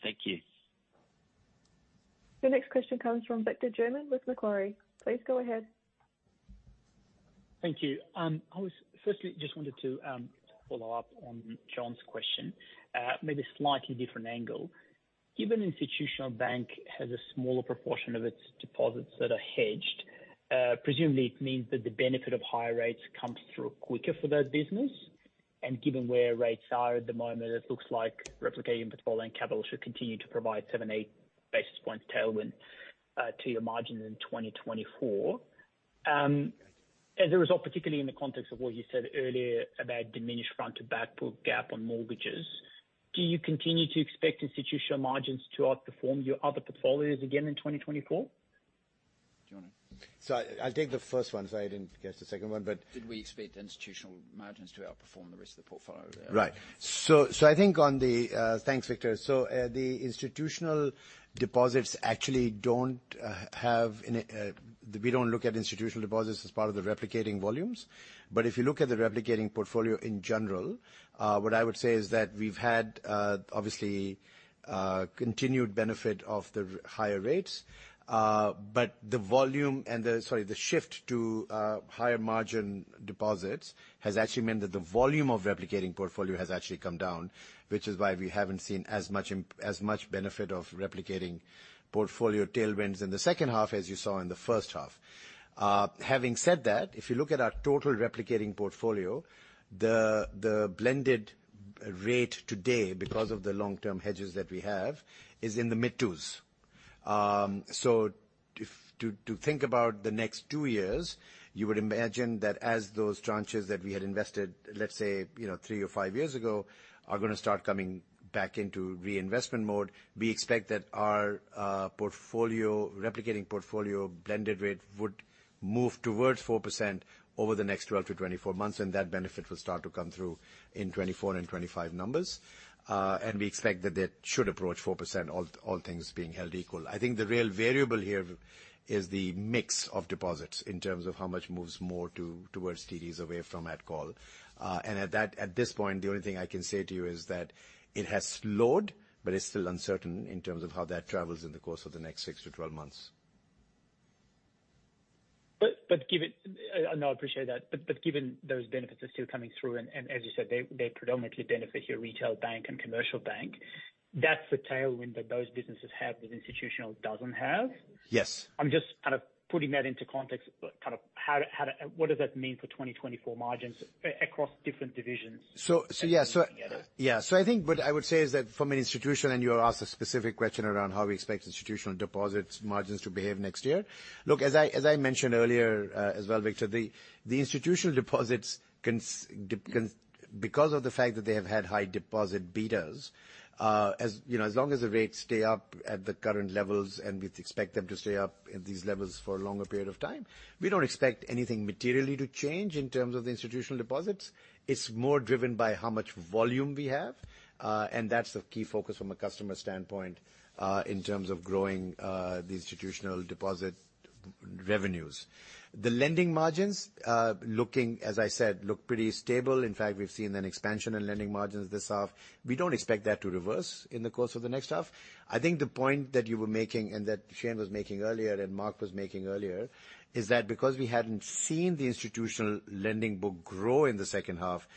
Thank you. The next question comes from Victor German with Macquarie. Please go ahead. Thank you. I was firstly just wanted to follow up on John's question, maybe a slightly different angle. Given Institutional Bank has a smaller proportion of its deposits that are hedged, presumably it means that the benefit of higher rates comes through quicker for that business. And given where rates are at the moment, it looks like replicating portfolio and capital should continue to provide 7-8 basis points tailwind to your margins in 2024. As a result, particularly in the context of what you said earlier about diminished front to back book gap on mortgages, do you continue to expect institutional margins to outperform your other portfolios again in 2024? Do you want to. So I, I'll take the first one, sorry, I didn't catch the second one, but Did we expect institutional margins to outperform the rest of the portfolio? Right. So I think on the. Thanks, Victor. So the institutional deposits actually don't - we don't look at institutional deposits as part of the replicating volumes. But if you look at the replicating portfolio in general, what I would say is that we've had obviously continued benefit of the higher rates, but the volume and the - sorry, the shift to higher margin deposits has actually meant that the volume of replicating portfolio has actually come down, which is why we haven't seen as much as much benefit of replicating portfolio tailwinds in the second half, as you saw in the first half. Having said that, if you look at our total replicating portfolio, the blended rate today, because of the long-term hedges that we have, is in the mid twos. So, to think about the next two years, you would imagine that as those tranches that we had invested, let's say, you know, three or five years ago, are going to start coming back into reinvestment mode, we expect that our portfolio, replicating portfolio blended rate would move towards 4% over the next 12-24 months, and that benefit will start to come through in 2024 and 2025 numbers. And we expect that they should approach 4%, all things being held equal. I think the real variable here is the mix of deposits in terms of how much moves more towards CDs away from at call. At this point, the only thing I can say to you is that it has slowed, but it's still uncertain in terms of how that travels in the course of the next six to 12 months. No, I appreciate that. But given those benefits are still coming through, and as you said, they predominantly benefit your retail bank and commercial bank, that's the tailwind that those businesses have, that institutional doesn't have? Yes. I'm just kind of putting that into context, but kind of how the what does that mean for 2024 margins across different divisions? So yeah. Together. I think what I would say is that from an institutional, and you asked a specific question around how we expect institutional deposits margins to behave next year. Look, as I mentioned earlier, as well, Victor, the institutional deposits because of the fact that they have had high deposit betas, as you know, as long as the rates stay up at the current levels, and we expect them to stay up at these levels for a longer period of time, we don't expect anything materially to change in terms of the institutional deposits. It's more driven by how much volume we have, and that's the key focus from a customer standpoint, in terms of growing the institutional deposit revenues. The lending margins, as I said, look pretty stable. In fact, we've seen an expansion in lending margins this half. We don't expect that to reverse in the course of the next half. I think the point that you were making and that Shayne was making earlier, and Mark was making earlier, is that because we hadn't seen the institutional lending book grow in the second half,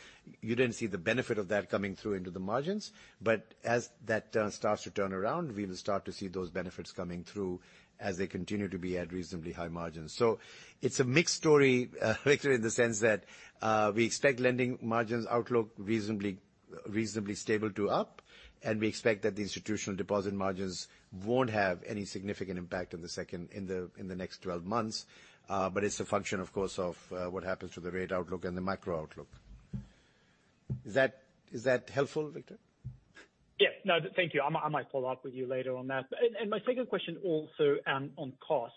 you didn't see the benefit of that coming through into the margins. But as that starts to turn around, we will start to see those benefits coming through as they continue to be at reasonably high margins. So it's a mixed story, Victor, in the sense that we expect lending margins outlook reasonably, reasonably stable to up, and we expect that the institutional deposit margins won't have any significant impact in the next 12 months. But it's a function, of course, of what happens to the rate outlook and the macro outlook. Is that, is that helpful, Victor? Yeah. No, thank you. I might follow up with you later on that. And my second question also on costs.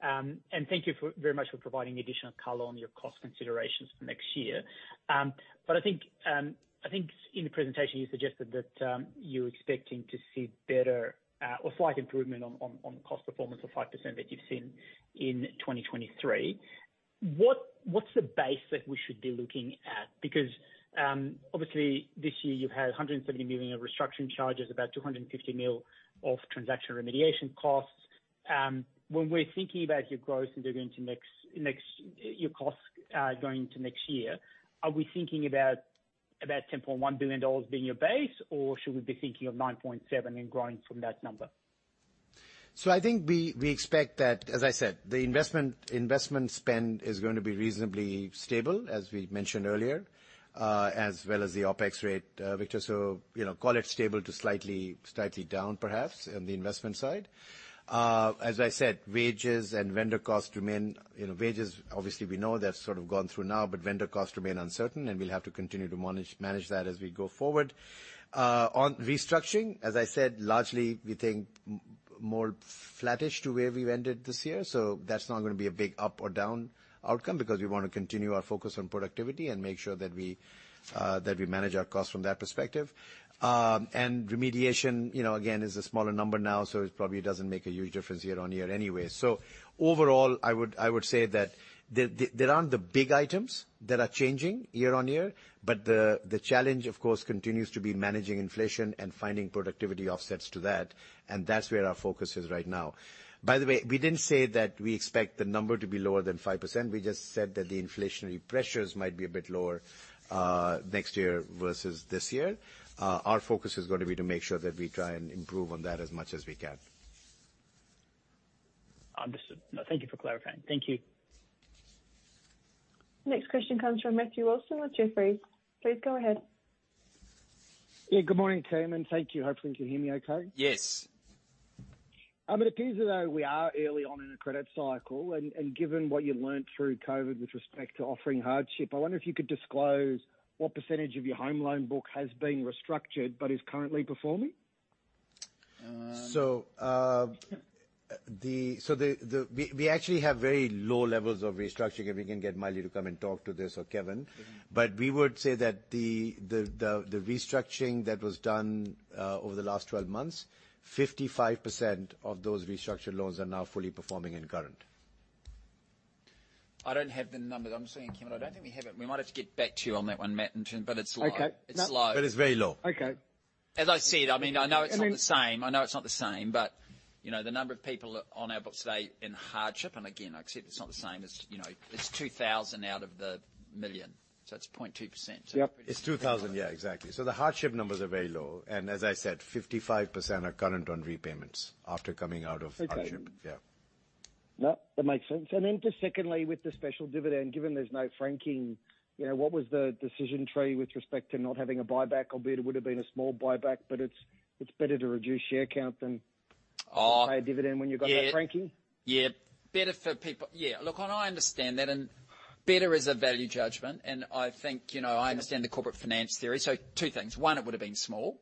And thank you very much for providing additional color on your cost considerations for next year. But I think in the presentation you suggested that you're expecting to see better or slight improvement on cost performance of 5% that you've seen in 2023. What's the base that we should be looking at? Because obviously this year you've had 170 million of restructuring charges, about 250 million of transaction remediation costs. When we're thinking about your growth and your costs going into next year, are we thinking about. About 10.1 billion dollars being your base, or should we be thinking of 9.7 and growing from that number? So I think we expect that, as I said, the investment spend is going to be reasonably stable, as we mentioned earlier, as well as the OpEx rate, Victor. So, you know, call it stable to slightly down perhaps on the investment side. As I said, wages and vendor costs remain, you know, wages, obviously, we know that's sort of gone through now, but vendor costs remain uncertain, and we'll have to continue to manage that as we go forward. On restructuring, as I said, largely, we think more flattish to where we've ended this year. So that's not going to be a big up or down outcome because we want to continue our focus on productivity and make sure that we manage our costs from that perspective. Remediation, you know, again, is a smaller number now, so it probably doesn't make a huge difference year-on-year anyway. So overall, I would say that there aren't the big items that are changing year-on-year, but the challenge, of course, continues to be managing inflation and finding productivity offsets to that, and that's where our focus is right now. By the way, we didn't say that we expect the number to be lower than 5%. We just said that the inflationary pressures might be a bit lower next year versus this year. Our focus is going to be to make sure that we try and improve on that as much as we can. Understood. Thank you for clarifying. Thank you. Next question comes from Matthew Wilson with Jefferies. Please go ahead. Yeah, good morning, gentlemen, thank you. Hopefully, you can hear me okay? Yes. It appears as though we are early on in a credit cycle, and given what you learned through COVID with respect to offering hardship, I wonder if you could disclose what percentage of your home loan book has been restructured but is currently performing? So, we actually have very low levels of restructuring. If we can get Maile to come and talk to this or Kevin. But we would say that the restructuring that was done over the last 12 months, 55% of those restructured loans are now fully performing and current. I don't have the numbers. I'm seeing, Kim, I don't think we have it. We might have to get back to you on that one, Matt, but it's low. Okay. It's low. But it's very low. Okay. As I see it, I know it's not the same. I know it's not the same, but, you know, the number of people on our books today in hardship, and again, I accept it's not the same as, you know, it's 2,000 out of 1 million, so it's 0.2%. Yep. It's 2,000. Yeah, exactly. So the hardship numbers are very low, and as I said, 55% are current on repayments after coming out of hardship. Okay. Yeah. No, that makes sense. And then just secondly, with the special dividend, given there's no franking, you know, what was the decision tree with respect to not having a buyback, albeit it would have been a small buyback, but it's, it's better to reduce share count than. Uh. Pay a dividend when you've got that franking? Yeah, better for people. Yeah, look, and I understand that, and better is a value judgment. And I think, you know, I understand the corporate finance theory. So two things: One, it would have been small.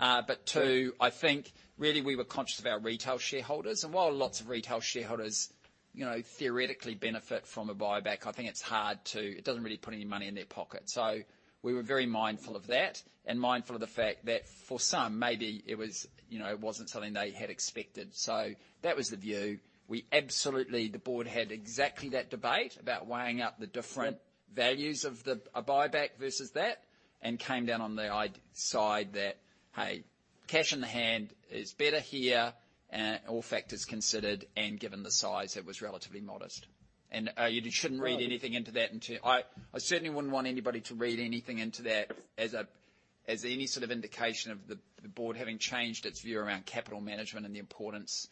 But two, I think really we were conscious of our retail shareholders, and while lots of retail shareholders, you know, theoretically benefit from a buyback, I think it's hard to... It doesn't really put any money in their pocket. So we were very mindful of that and mindful of the fact that for some, maybe it was, you know, it wasn't something they had expected. So that was the view. We absolutely the board had exactly that debate about weighing up the different values of a buyback versus that, and came down on the idea side that, hey, cash in the hand is better here, all factors considered, and given the size, it was relatively modest. And you shouldn't read anything into that. I certainly wouldn't want anybody to read anything into that as any sort of indication of the board having changed its view around capital management and the importance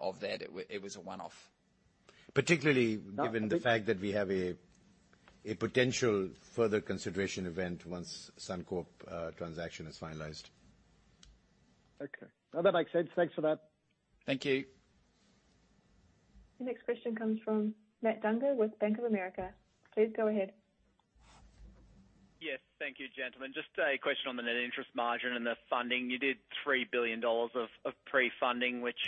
of that. It was a one-off. Particularly given the fact that we have a potential further consideration event once Suncorp transaction is finalized. Okay. Well, that makes sense. Thanks for that. Thank you. The next question comes from Matt Dungar with Bank of America. Please go ahead. Yes, thank you, gentlemen. Just a question on the net interest margin and the funding. You did 3 billion dollars of pre-funding, which,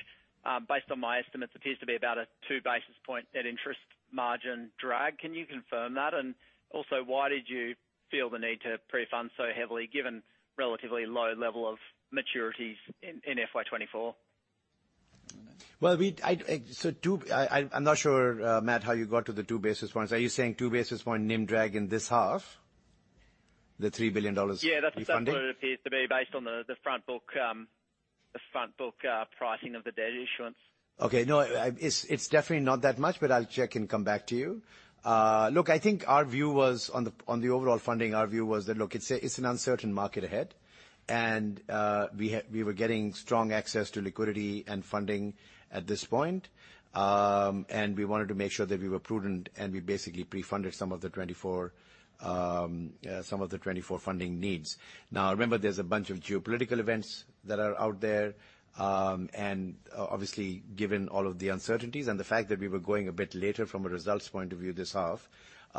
based on my estimates, appears to be about a 2 basis point net interest margin drag. Can you confirm that? And also, why did you feel the need to pre-fund so heavily, given relatively low level of maturities in FY 2024? Well, I'm not sure, Matt, how you got to the two basis points. Are you saying two basis point NIM drag in this half, the 3 billion dollars pre-funding? Yeah, that's what it appears to be based on the front book pricing of the debt issuance. Okay. No, it's definitely not that much, but I'll check and come back to you. Look, I think our view was on the overall funding, our view was that, look, it's an uncertain market ahead, and we were getting strong access to liquidity and funding at this point, and we wanted to make sure that we were prudent, and we basically pre-funded some of the 2024 funding needs. Now, remember, there's a bunch of geopolitical events that are out there, and obviously, given all of the uncertainties and the fact that we were going a bit later from a results point of view this half,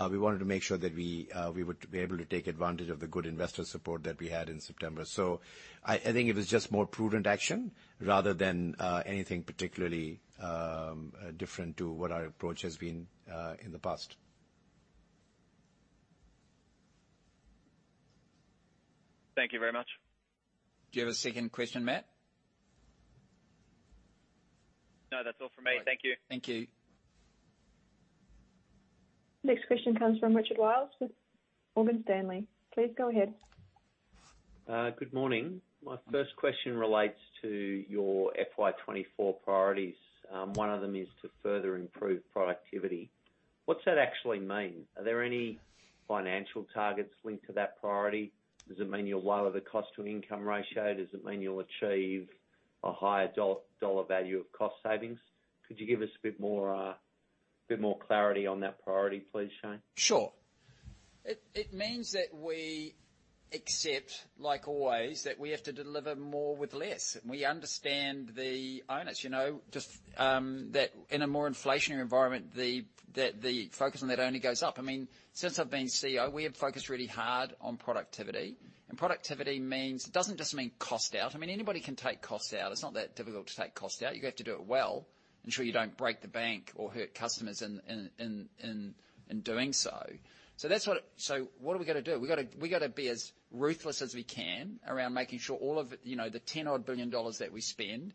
we wanted to make sure that we would be able to take advantage of the good investor support that we had in September. So I think it was just more prudent action rather than anything particularly different to what our approach has been in the past. Thank you very much. Do you have a second question, Matt? No, that's all from me. All right. Thank you. Thank you. Next question comes from Richard Wiles with Morgan Stanley. Please go ahead. Good morning. My first question relates to your FY 24 priorities. One of them is to further improve productivity. What's that actually mean? Are there any financial targets linked to that priority? Does it mean you'll lower the cost-to-income ratio? Does it mean you'll achieve a higher dollar value of cost savings? Could you give us a bit more, a bit more clarity on that priority, please, Shayne? Sure. It means that we accept, like always, that we have to deliver more with less. We understand the onus, you know, just that in a more inflationary environment, that the focus on that only goes up. I mean, since I've been CEO, we have focused really hard on productivity, and productivity means... It doesn't just mean cost out. I mean, anybody can take costs out. It's not that difficult to take costs out. You have to do it well, ensure you don't break the bank or hurt customers in doing so. So what are we going to do? We gotta be as ruthless as we can around making sure all of, you know, the 10-odd billion dollars that we spend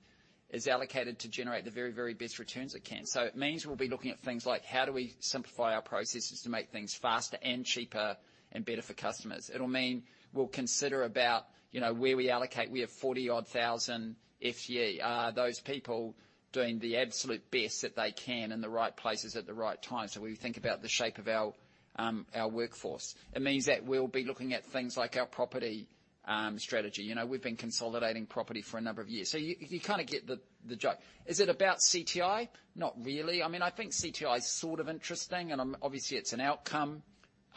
is allocated to generate the very, very best returns it can. So it means we'll be looking at things like: How do we simplify our processes to make things faster and cheaper and better for customers? It'll mean we'll consider about, you know, where we allocate. We have 40,000-odd FTE. Are those people doing the absolute best that they can in the right places at the right time? So we think about the shape of our our workforce. It means that we'll be looking at things like our property strategy. You know, we've been consolidating property for a number of years. So you kind of get the joke. Is it about CTI? Not really. I mean, I think CTI is sort of interesting, and obviously, it's an outcome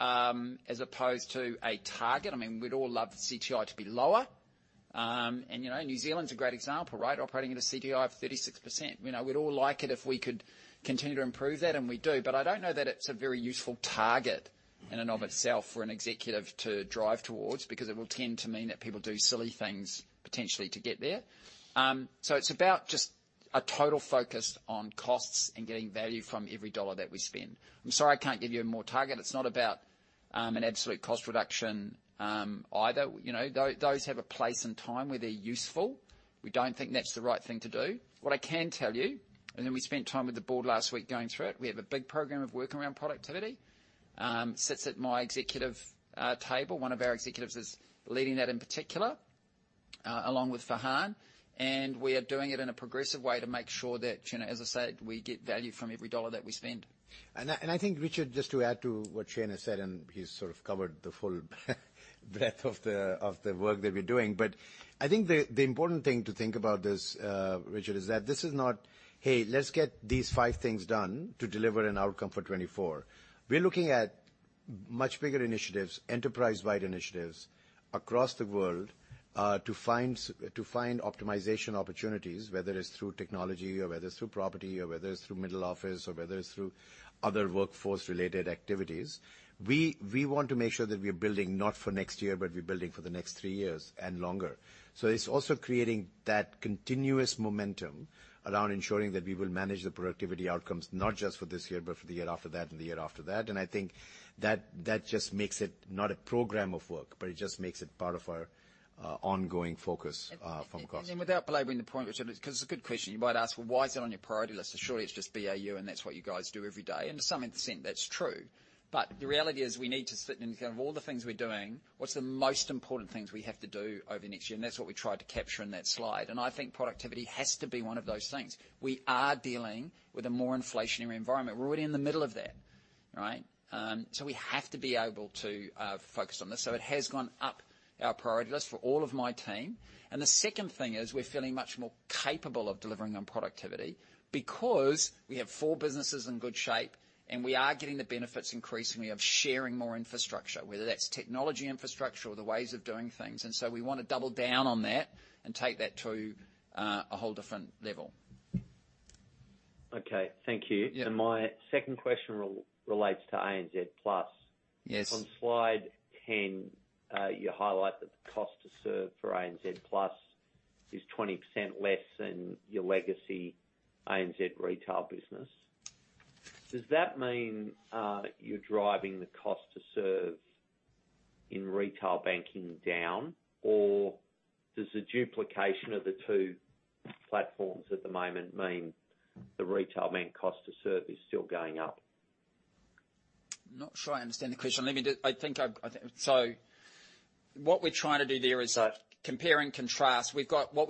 as opposed to a target. I mean, we'd all love the CTI to be lower. And, you know, New Zealand's a great example, right? Operating at a CTI of 36%. You know, we'd all like it if we could continue to improve that, and we do. But I don't know that it's a very useful target in and of itself for an executive to drive towards, because it will tend to mean that people do silly things, potentially, to get there. So it's about just a total focus on costs and getting value from every dollar that we spend. I'm sorry I can't give you a more target. It's not about an absolute cost reduction, either. You know, those have a place and time where they're useful. We don't think that's the right thing to do. What I can tell you, and then we spent time with the board last week going through it, we have a big program of work around productivity. Sits at my executive table. One of our executives is leading that in particular, along with Farhan, and we are doing it in a progressive way to make sure that, you know, as I said, we get value from every dollar that we spend. And I think, Richard, just to add to what Shane has said, and he's sort of covered the full breadth of the work that we're doing. But I think the important thing to think about this, Richard, is that this is not, "Hey, let's get these five things done to deliver an outcome for 2024." We're looking at much bigger initiatives, enterprise-wide initiatives across the world to find optimization opportunities, whether it's through technology or whether it's through property or whether it's through middle office or whether it's through other workforce-related activities. We want to make sure that we're building not for next year, but we're building for the next three years and longer. So it's also creating that continuous momentum around ensuring that we will manage the productivity outcomes, not just for this year, but for the year after that and the year after that. And I think that, that just makes it not a program of work, but it just makes it part of our ongoing focus from cost. Without belaboring the point, Richard, because it's a good question, you might ask: Well, why is it on your priority list? Surely it's just BAU, and that's what you guys do every day. And to some extent, that's true. But the reality is, we need to sit and look at all the things we're doing, what's the most important things we have to do over the next year? And that's what we tried to capture in that slide. And I think productivity has to be one of those things. We are dealing with a more inflationary environment. We're already in the middle of that, right? So we have to be able to focus on this. So it has gone up our priority list for all of my team. The second thing is, we're feeling much more capable of delivering on productivity because we have four businesses in good shape, and we are getting the benefits increasingly of sharing more infrastructure, whether that's technology infrastructure or the ways of doing things. So we want to double down on that and take that to a whole different level. Okay, thank you. Yeah. My second question relates to ANZ Plus. Yes. On slide 10, you highlight that the cost to serve for ANZ Plus is 20% less than your legacy ANZ retail business. Does that mean you're driving the cost to serve in retail banking down, or does the duplication of the two platforms at the moment mean the retail bank cost to serve is still going up? Not sure I understand the question. So what we're trying to do there is compare and contrast. We've got what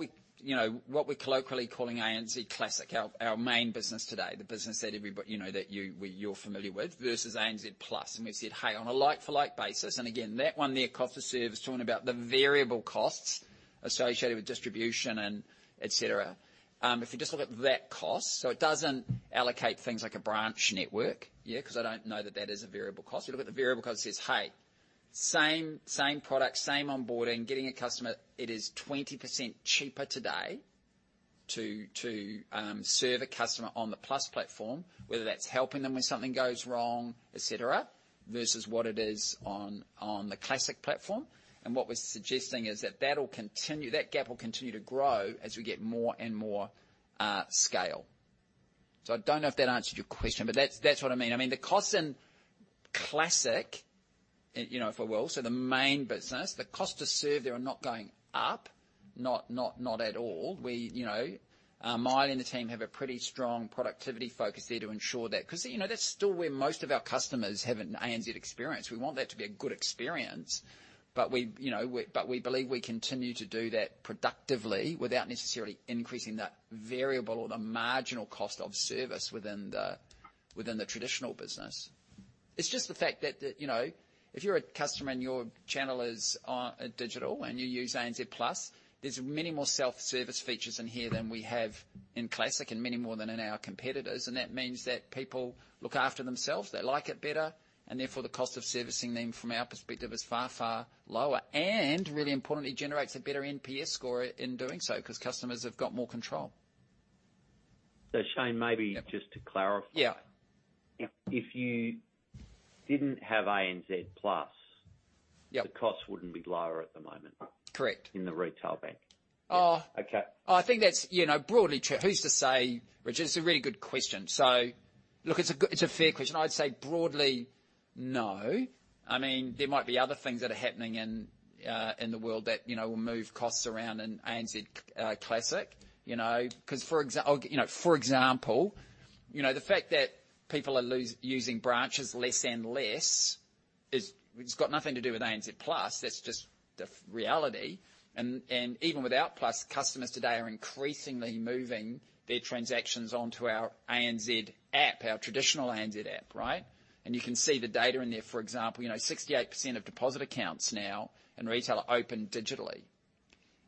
we're colloquially calling ANZ Classic, our main business today, the business that everybody, you know, that you, well, you're familiar with, versus ANZ Plus. And we've said, hey, on a like-for-like basis. And again, that one there, cost to serve, is talking about the variable costs associated with distribution and et cetera. If you just look at that cost, so it doesn't allocate things like a branch network, yeah, 'cause I don't know that that is a variable cost. We look at the variable cost and says, "Hey, same, same product, same onboarding, getting a customer, it is 20% cheaper today to serve a customer on the Plus platform, whether that's helping them when something goes wrong, et cetera, versus what it is on the Classic platform." And what we're suggesting is that that'll continue, that gap will continue to grow as we get more and more scale. So I don't know if that answered your question, but that's, that's what I mean. I mean, the costs in Classic, you know, if I will, so the main business, the cost to serve there are not going up... not at all. We, you know, Maile and the team have a pretty strong productivity focus there to ensure that, 'cause, you know, that's still where most of our customers have an ANZ experience. We want that to be a good experience, but we, you know, but we believe we continue to do that productively without necessarily increasing the variable or the marginal cost of service within the within the traditional business. It's just the fact that, you know, if you're a customer and your channel is digital, and you use ANZ Plus, there's many more self-service features in here than we have in Classic and many more than in our competitors. And that means that people look after themselves, they like it better, and therefore, the cost of servicing them from our perspective is far, far lower. And really importantly, generates a better NPS score in doing so, 'cause customers have got more control. So Shayne, maybe. Yep. Just to clarify. Yeah. If you didn't have ANZ Plus- Yep. The cost wouldn't be lower at the moment? Correct. In the retail bank. Oh. Okay. I think that's, you know, broadly true. Who's to say, which is a really good question? So look, it's a fair question. I'd say broadly, no. I mean, there might be other things that are happening in the world that, you know, will move costs around in ANZ Classic. You know, 'cause for example, you know, the fact that people are using branches less and less is... It's got nothing to do with ANZ Plus; that's just the reality. And even without Plus, customers today are increasingly moving their transactions onto our ANZ App, our traditional ANZ App, right? And you can see the data in there, for example, you know, 68% of deposit accounts now in retail are opened digitally,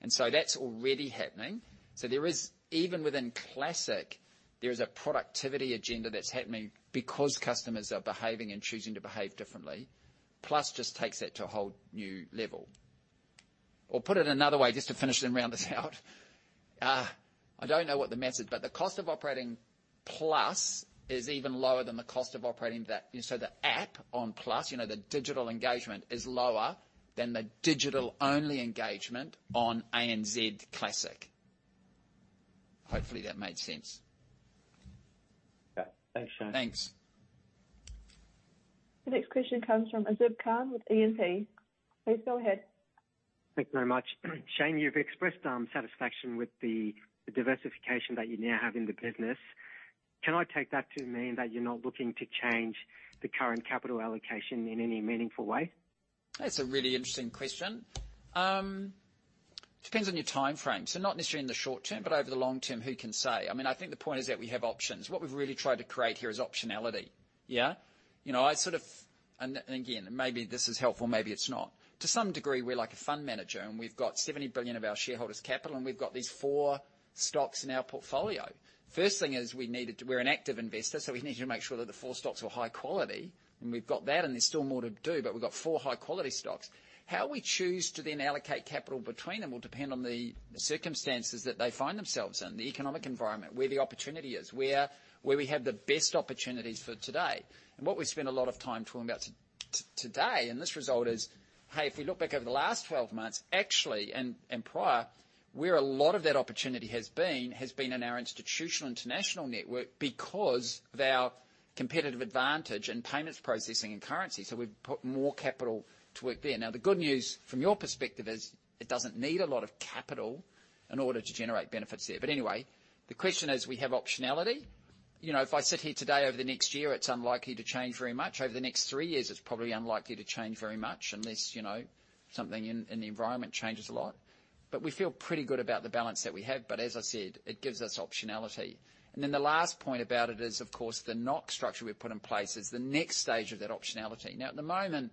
and so that's already happening. So there is, even within Classic, there is a productivity agenda that's happening because customers are behaving and choosing to behave differently. Plus just takes that to a whole new level. Or put it another way, just to finish and round this out. I don't know what the message, but the cost of operating Plus is even lower than the cost of operating the app. So the app on Plus, you know, the digital engagement is lower than the digital-only engagement on ANZ Classic. Hopefully, that made sense. Okay. Thanks, Shayne. Thanks. The next question comes from Azib Khan with E&P. Please go ahead. Thank you very much. Shayne, you've expressed satisfaction with the diversification that you now have in the business. Can I take that to mean that you're not looking to change the current capital allocation in any meaningful way? That's a really interesting question. Depends on your time frame. So not necessarily in the short term, but over the long term, who can say? I mean, I think the point is that we have options. What we've really tried to create here is optionality, yeah? You know, I sort of... And again, maybe this is helpful, maybe it's not. To some degree, we're like a fund manager, and we've got 70 billion of our shareholders' capital, and we've got these four stocks in our portfolio. First thing is we needed to we're an active investor, so we needed to make sure that the four stocks were high quality, and we've got that, and there's still more to do, but we've got four high-quality stocks. How we choose to then allocate capital between them will depend on the circumstances that they find themselves in, the economic environment, where the opportunity is, where we have the best opportunities for today. What we spent a lot of time talking about today, and this result is, hey, if we look back over the last 12 months, actually, and prior, where a lot of that opportunity has been in our institutional international network, because of our competitive advantage in payments, processing, and currency. So we've put more capital to work there. Now, the good news from your perspective is, it doesn't need a lot of capital in order to generate benefits there. But anyway, the question is, we have optionality. You know, if I sit here today, over the next year, it's unlikely to change very much. Over the next three years, it's probably unlikely to change very much, unless, you know, something in the environment changes a lot. But we feel pretty good about the balance that we have, but as I said, it gives us optionality. And then the last point about it is, of course, the NOC structure we've put in place is the next stage of that optionality. Now, at the moment,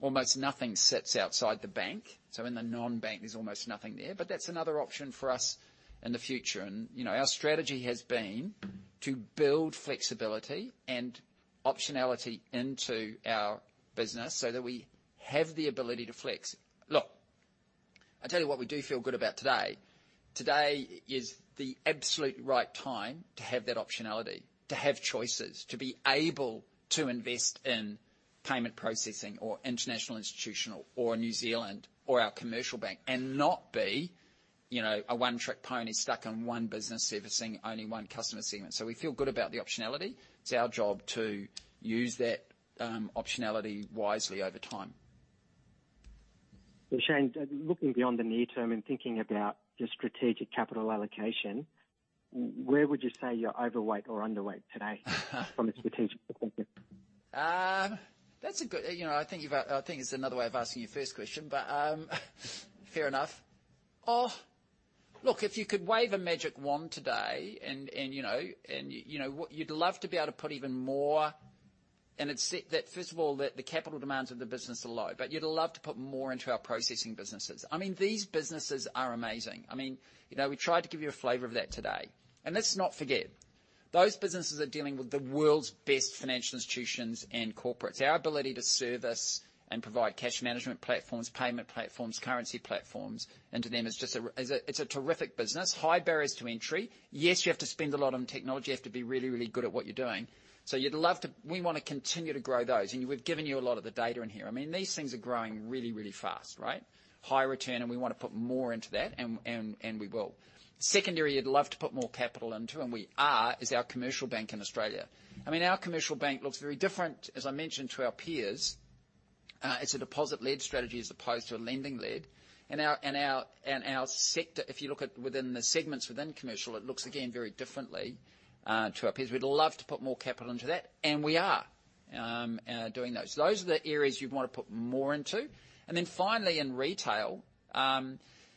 almost nothing sits outside the bank, so in the non-bank, there's almost nothing there. But that's another option for us in the future. And, you know, our strategy has been to build flexibility and optionality into our business so that we have the ability to flex. Look, I tell you what we do feel good about today. Today is the absolute right time to have that optionality, to have choices, to be able to invest in payment processing or international, institutional or New Zealand or our commercial bank, and not be, you know, a one-trick pony stuck on one business, servicing only one customer segment. So we feel good about the optionality. It's our job to use that, optionality wisely over time. So Shayne, looking beyond the near term and thinking about your strategic capital allocation, where would you say you're overweight or underweight today from a strategic perspective? That's a good. You know, I think you've, I think it's another way of asking your first question, but, fair enough. Oh, look, if you could wave a magic wand today, and, and, you know, and, you know, what you'd love to be able to put even more... And it's set, that first of all, the, the capital demands of the business are low, but you'd love to put more into our processing businesses. I mean, these businesses are amazing. I mean, you know, we tried to give you a flavor of that today. And let's not forget, those businesses are dealing with the world's best financial institutions and corporates. Our ability to service and provide cash management platforms, payment platforms, currency platforms into them is just it's a terrific business. High barriers to entry. Yes, you have to spend a lot on technology. You have to be really, really good at what you're doing. So you'd love to, we want to continue to grow those, and we've given you a lot of the data in here. I mean, these things are growing really, really fast, right? High return, and we want to put more into that, and we will. Secondary, you'd love to put more capital into, and we are, our commercial bank in Australia. I mean, our commercial bank looks very different, as I mentioned to our peers. It's a deposit-led strategy as opposed to a lending-led. And our sector, if you look at within the segments within commercial, it looks again, very differently to our peers. We'd love to put more capital into that, and we are doing those. Those are the areas you'd want to put more into. And then finally, in retail,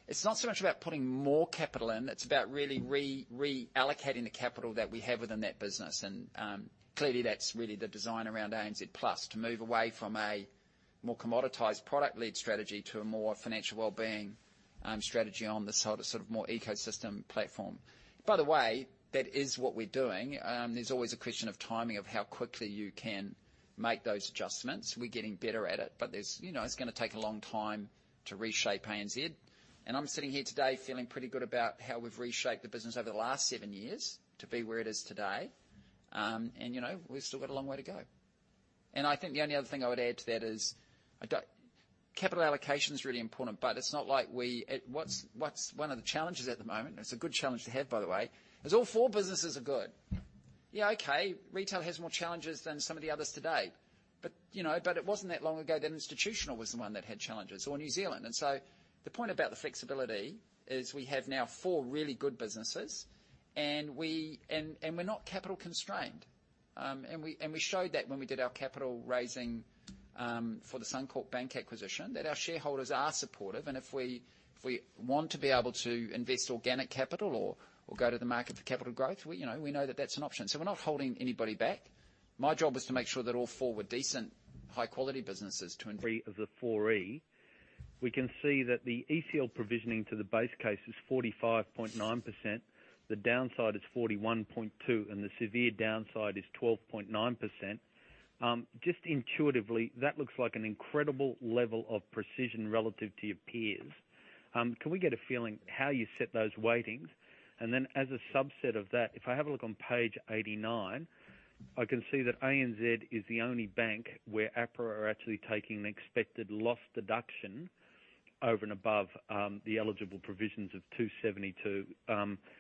it's not so much about putting more capital in, it's about really reallocating the capital that we have within that business. And clearly, that's really the design around ANZ Plus, to move away from a more commoditized product-led strategy to a more financial well-being strategy on the sort of more ecosystem platform. By the way, that is what we're doing. There's always a question of timing, of how quickly you can make those adjustments. We're getting better at it, but there's, you know, it's going to take a long time to reshape ANZ. And I'm sitting here today feeling pretty good about how we've reshaped the business over the last seven years to be where it is today. And, you know, we've still got a long way to go. I think the only other thing I would add to that is capital allocation is really important, but it's not like we, what's one of the challenges at the moment, and it's a good challenge to have, by the way, is all four businesses are good. Yeah, okay, retail has more challenges than some of the others today, but, you know, but it wasn't that long ago that institutional was the one that had challenges or New Zealand. And so the point about the flexibility is we have now four really good businesses, and we're not capital constrained. And we showed that when we did our capital raising for the Suncorp Bank acquisition, that our shareholders are supportive. If we, if we want to be able to invest organic capital or, or go to the market for capital growth, we, you know, we know that that's an option. We're not holding anybody back. My job is to make sure that all four were decent, high-quality businesses. The four E, we can see that the ECL provisioning to the base case is 45.9%, the downside is 41.2, and the severe downside is 12.9%. Just intuitively, that looks like an incredible level of precision relative to your peers. Can we get a feeling how you set those weightings? And then, as a subset of that, if I have a look on page 89, I can see that ANZ is the only bank where APRA are actually taking an expected loss deduction over and above the eligible provisions of 272.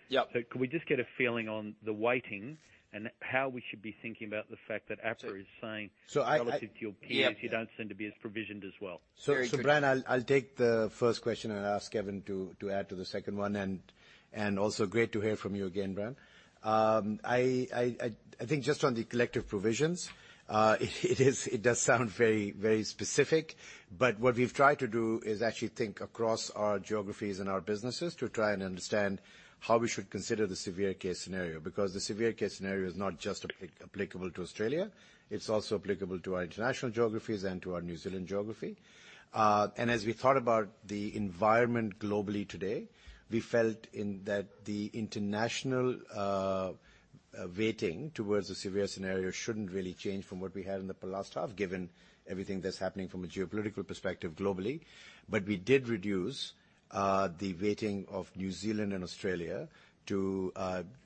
Yeah. So could we just get a feeling on the weighting and how we should be thinking about the fact that APRA is saying? So I. Relative to your peers Yeah. You don't seem to be as provisioned as well. So, Brian, I'll take the first question and ask Kevin to add to the second one. And also great to hear from you again, Brian. I think just on the collective provisions, it does sound very, very specific, but what we've tried to do is actually think across our geographies and our businesses to try and understand how we should consider the severe case scenario. Because the severe case scenario is not just applicable to Australia, it's also applicable to our international geographies and to our New Zealand geography. And as we thought about the environment globally today, we felt that the international weighting towards the severe scenario shouldn't really change from what we had in the last half, given everything that's happening from a geopolitical perspective globally. But we did reduce the weighting of New Zealand and Australia to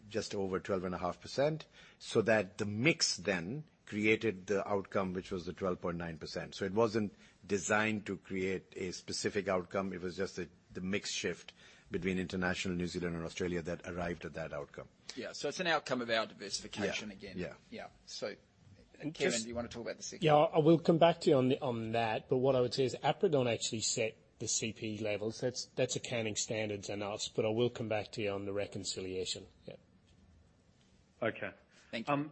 just over 12.5%, so that the mix then created the outcome, which was the 12.9%. So it wasn't designed to create a specific outcome. It was just the mix shift between international, New Zealand and Australia that arrived at that outcome. Yeah. So it's an outcome of our diversification again. Yeah, yeah. Yeah. So. Kevin, do you want to talk about the second? Yeah, I will come back to you on, on that. But what I would say is APRA don't actually set the CP levels. That's, that's accounting standards and us, but I will come back to you on the reconciliation. Yeah. Okay. Thank you.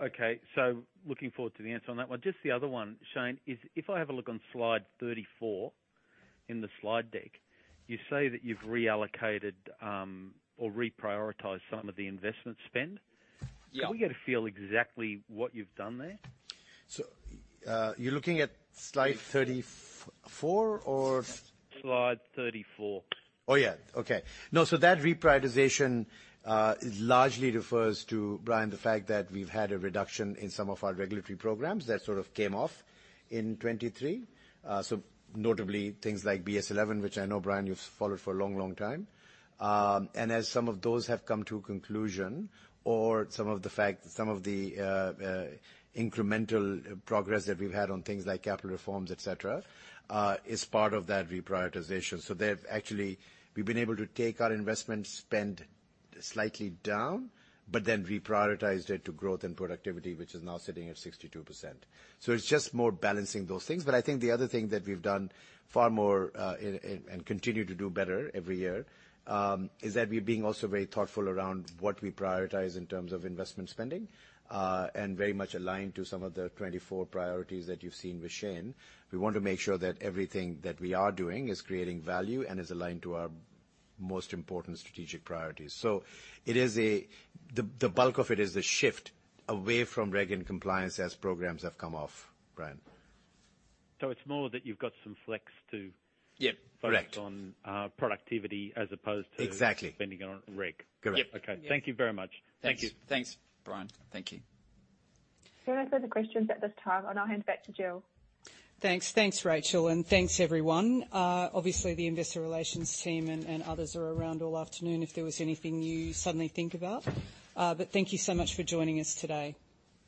Okay, so looking forward to the answer on that one. Just the other one, Shayne, is if I have a look on slide 34 in the slide deck, you say that you've reallocated, or reprioritized some of the investment spend. Yeah. Can we get a feel exactly what you've done there? You're looking at slide 34, or? Slide 34. Oh, yeah. Okay. No, so that reprioritization largely refers to, Brian, the fact that we've had a reduction in some of our regulatory programs that sort of came off in 2023. So notably things like BS11, which I know, Brian, you've followed for a long, long time. And as some of those have come to a conclusion or some of the incremental progress that we've had on things like capital reforms, et cetera, is part of that reprioritization. So they've actually, we've been able to take our investment spend slightly down, but then reprioritized it to growth and productivity, which is now sitting at 62%. So it's just more balancing those things. But I think the other thing that we've done far more and continue to do better every year is that we're being also very thoughtful around what we prioritize in terms of investment spending and very much aligned to some of the 2024 priorities that you've seen with Shayne. We want to make sure that everything that we are doing is creating value and is aligned to our most important strategic priorities. So it is a. The bulk of it is a shift away from reg and compliance as programs have come off, Brian. It's more that you've got some flex to. Yeah, correct. Focus on, productivity as opposed to. Exactly. Spending it on reg? Correct. Yep. Okay. Thank you very much. Thanks. Thank you. Thanks, Brian. Thank you. There are no further questions at this time, and I'll hand it back to Jill. Thanks. Thanks, Rachel, and thanks, everyone. Obviously, the investor relations team and others are around all afternoon if there was anything you suddenly think about. But thank you so much for joining us today.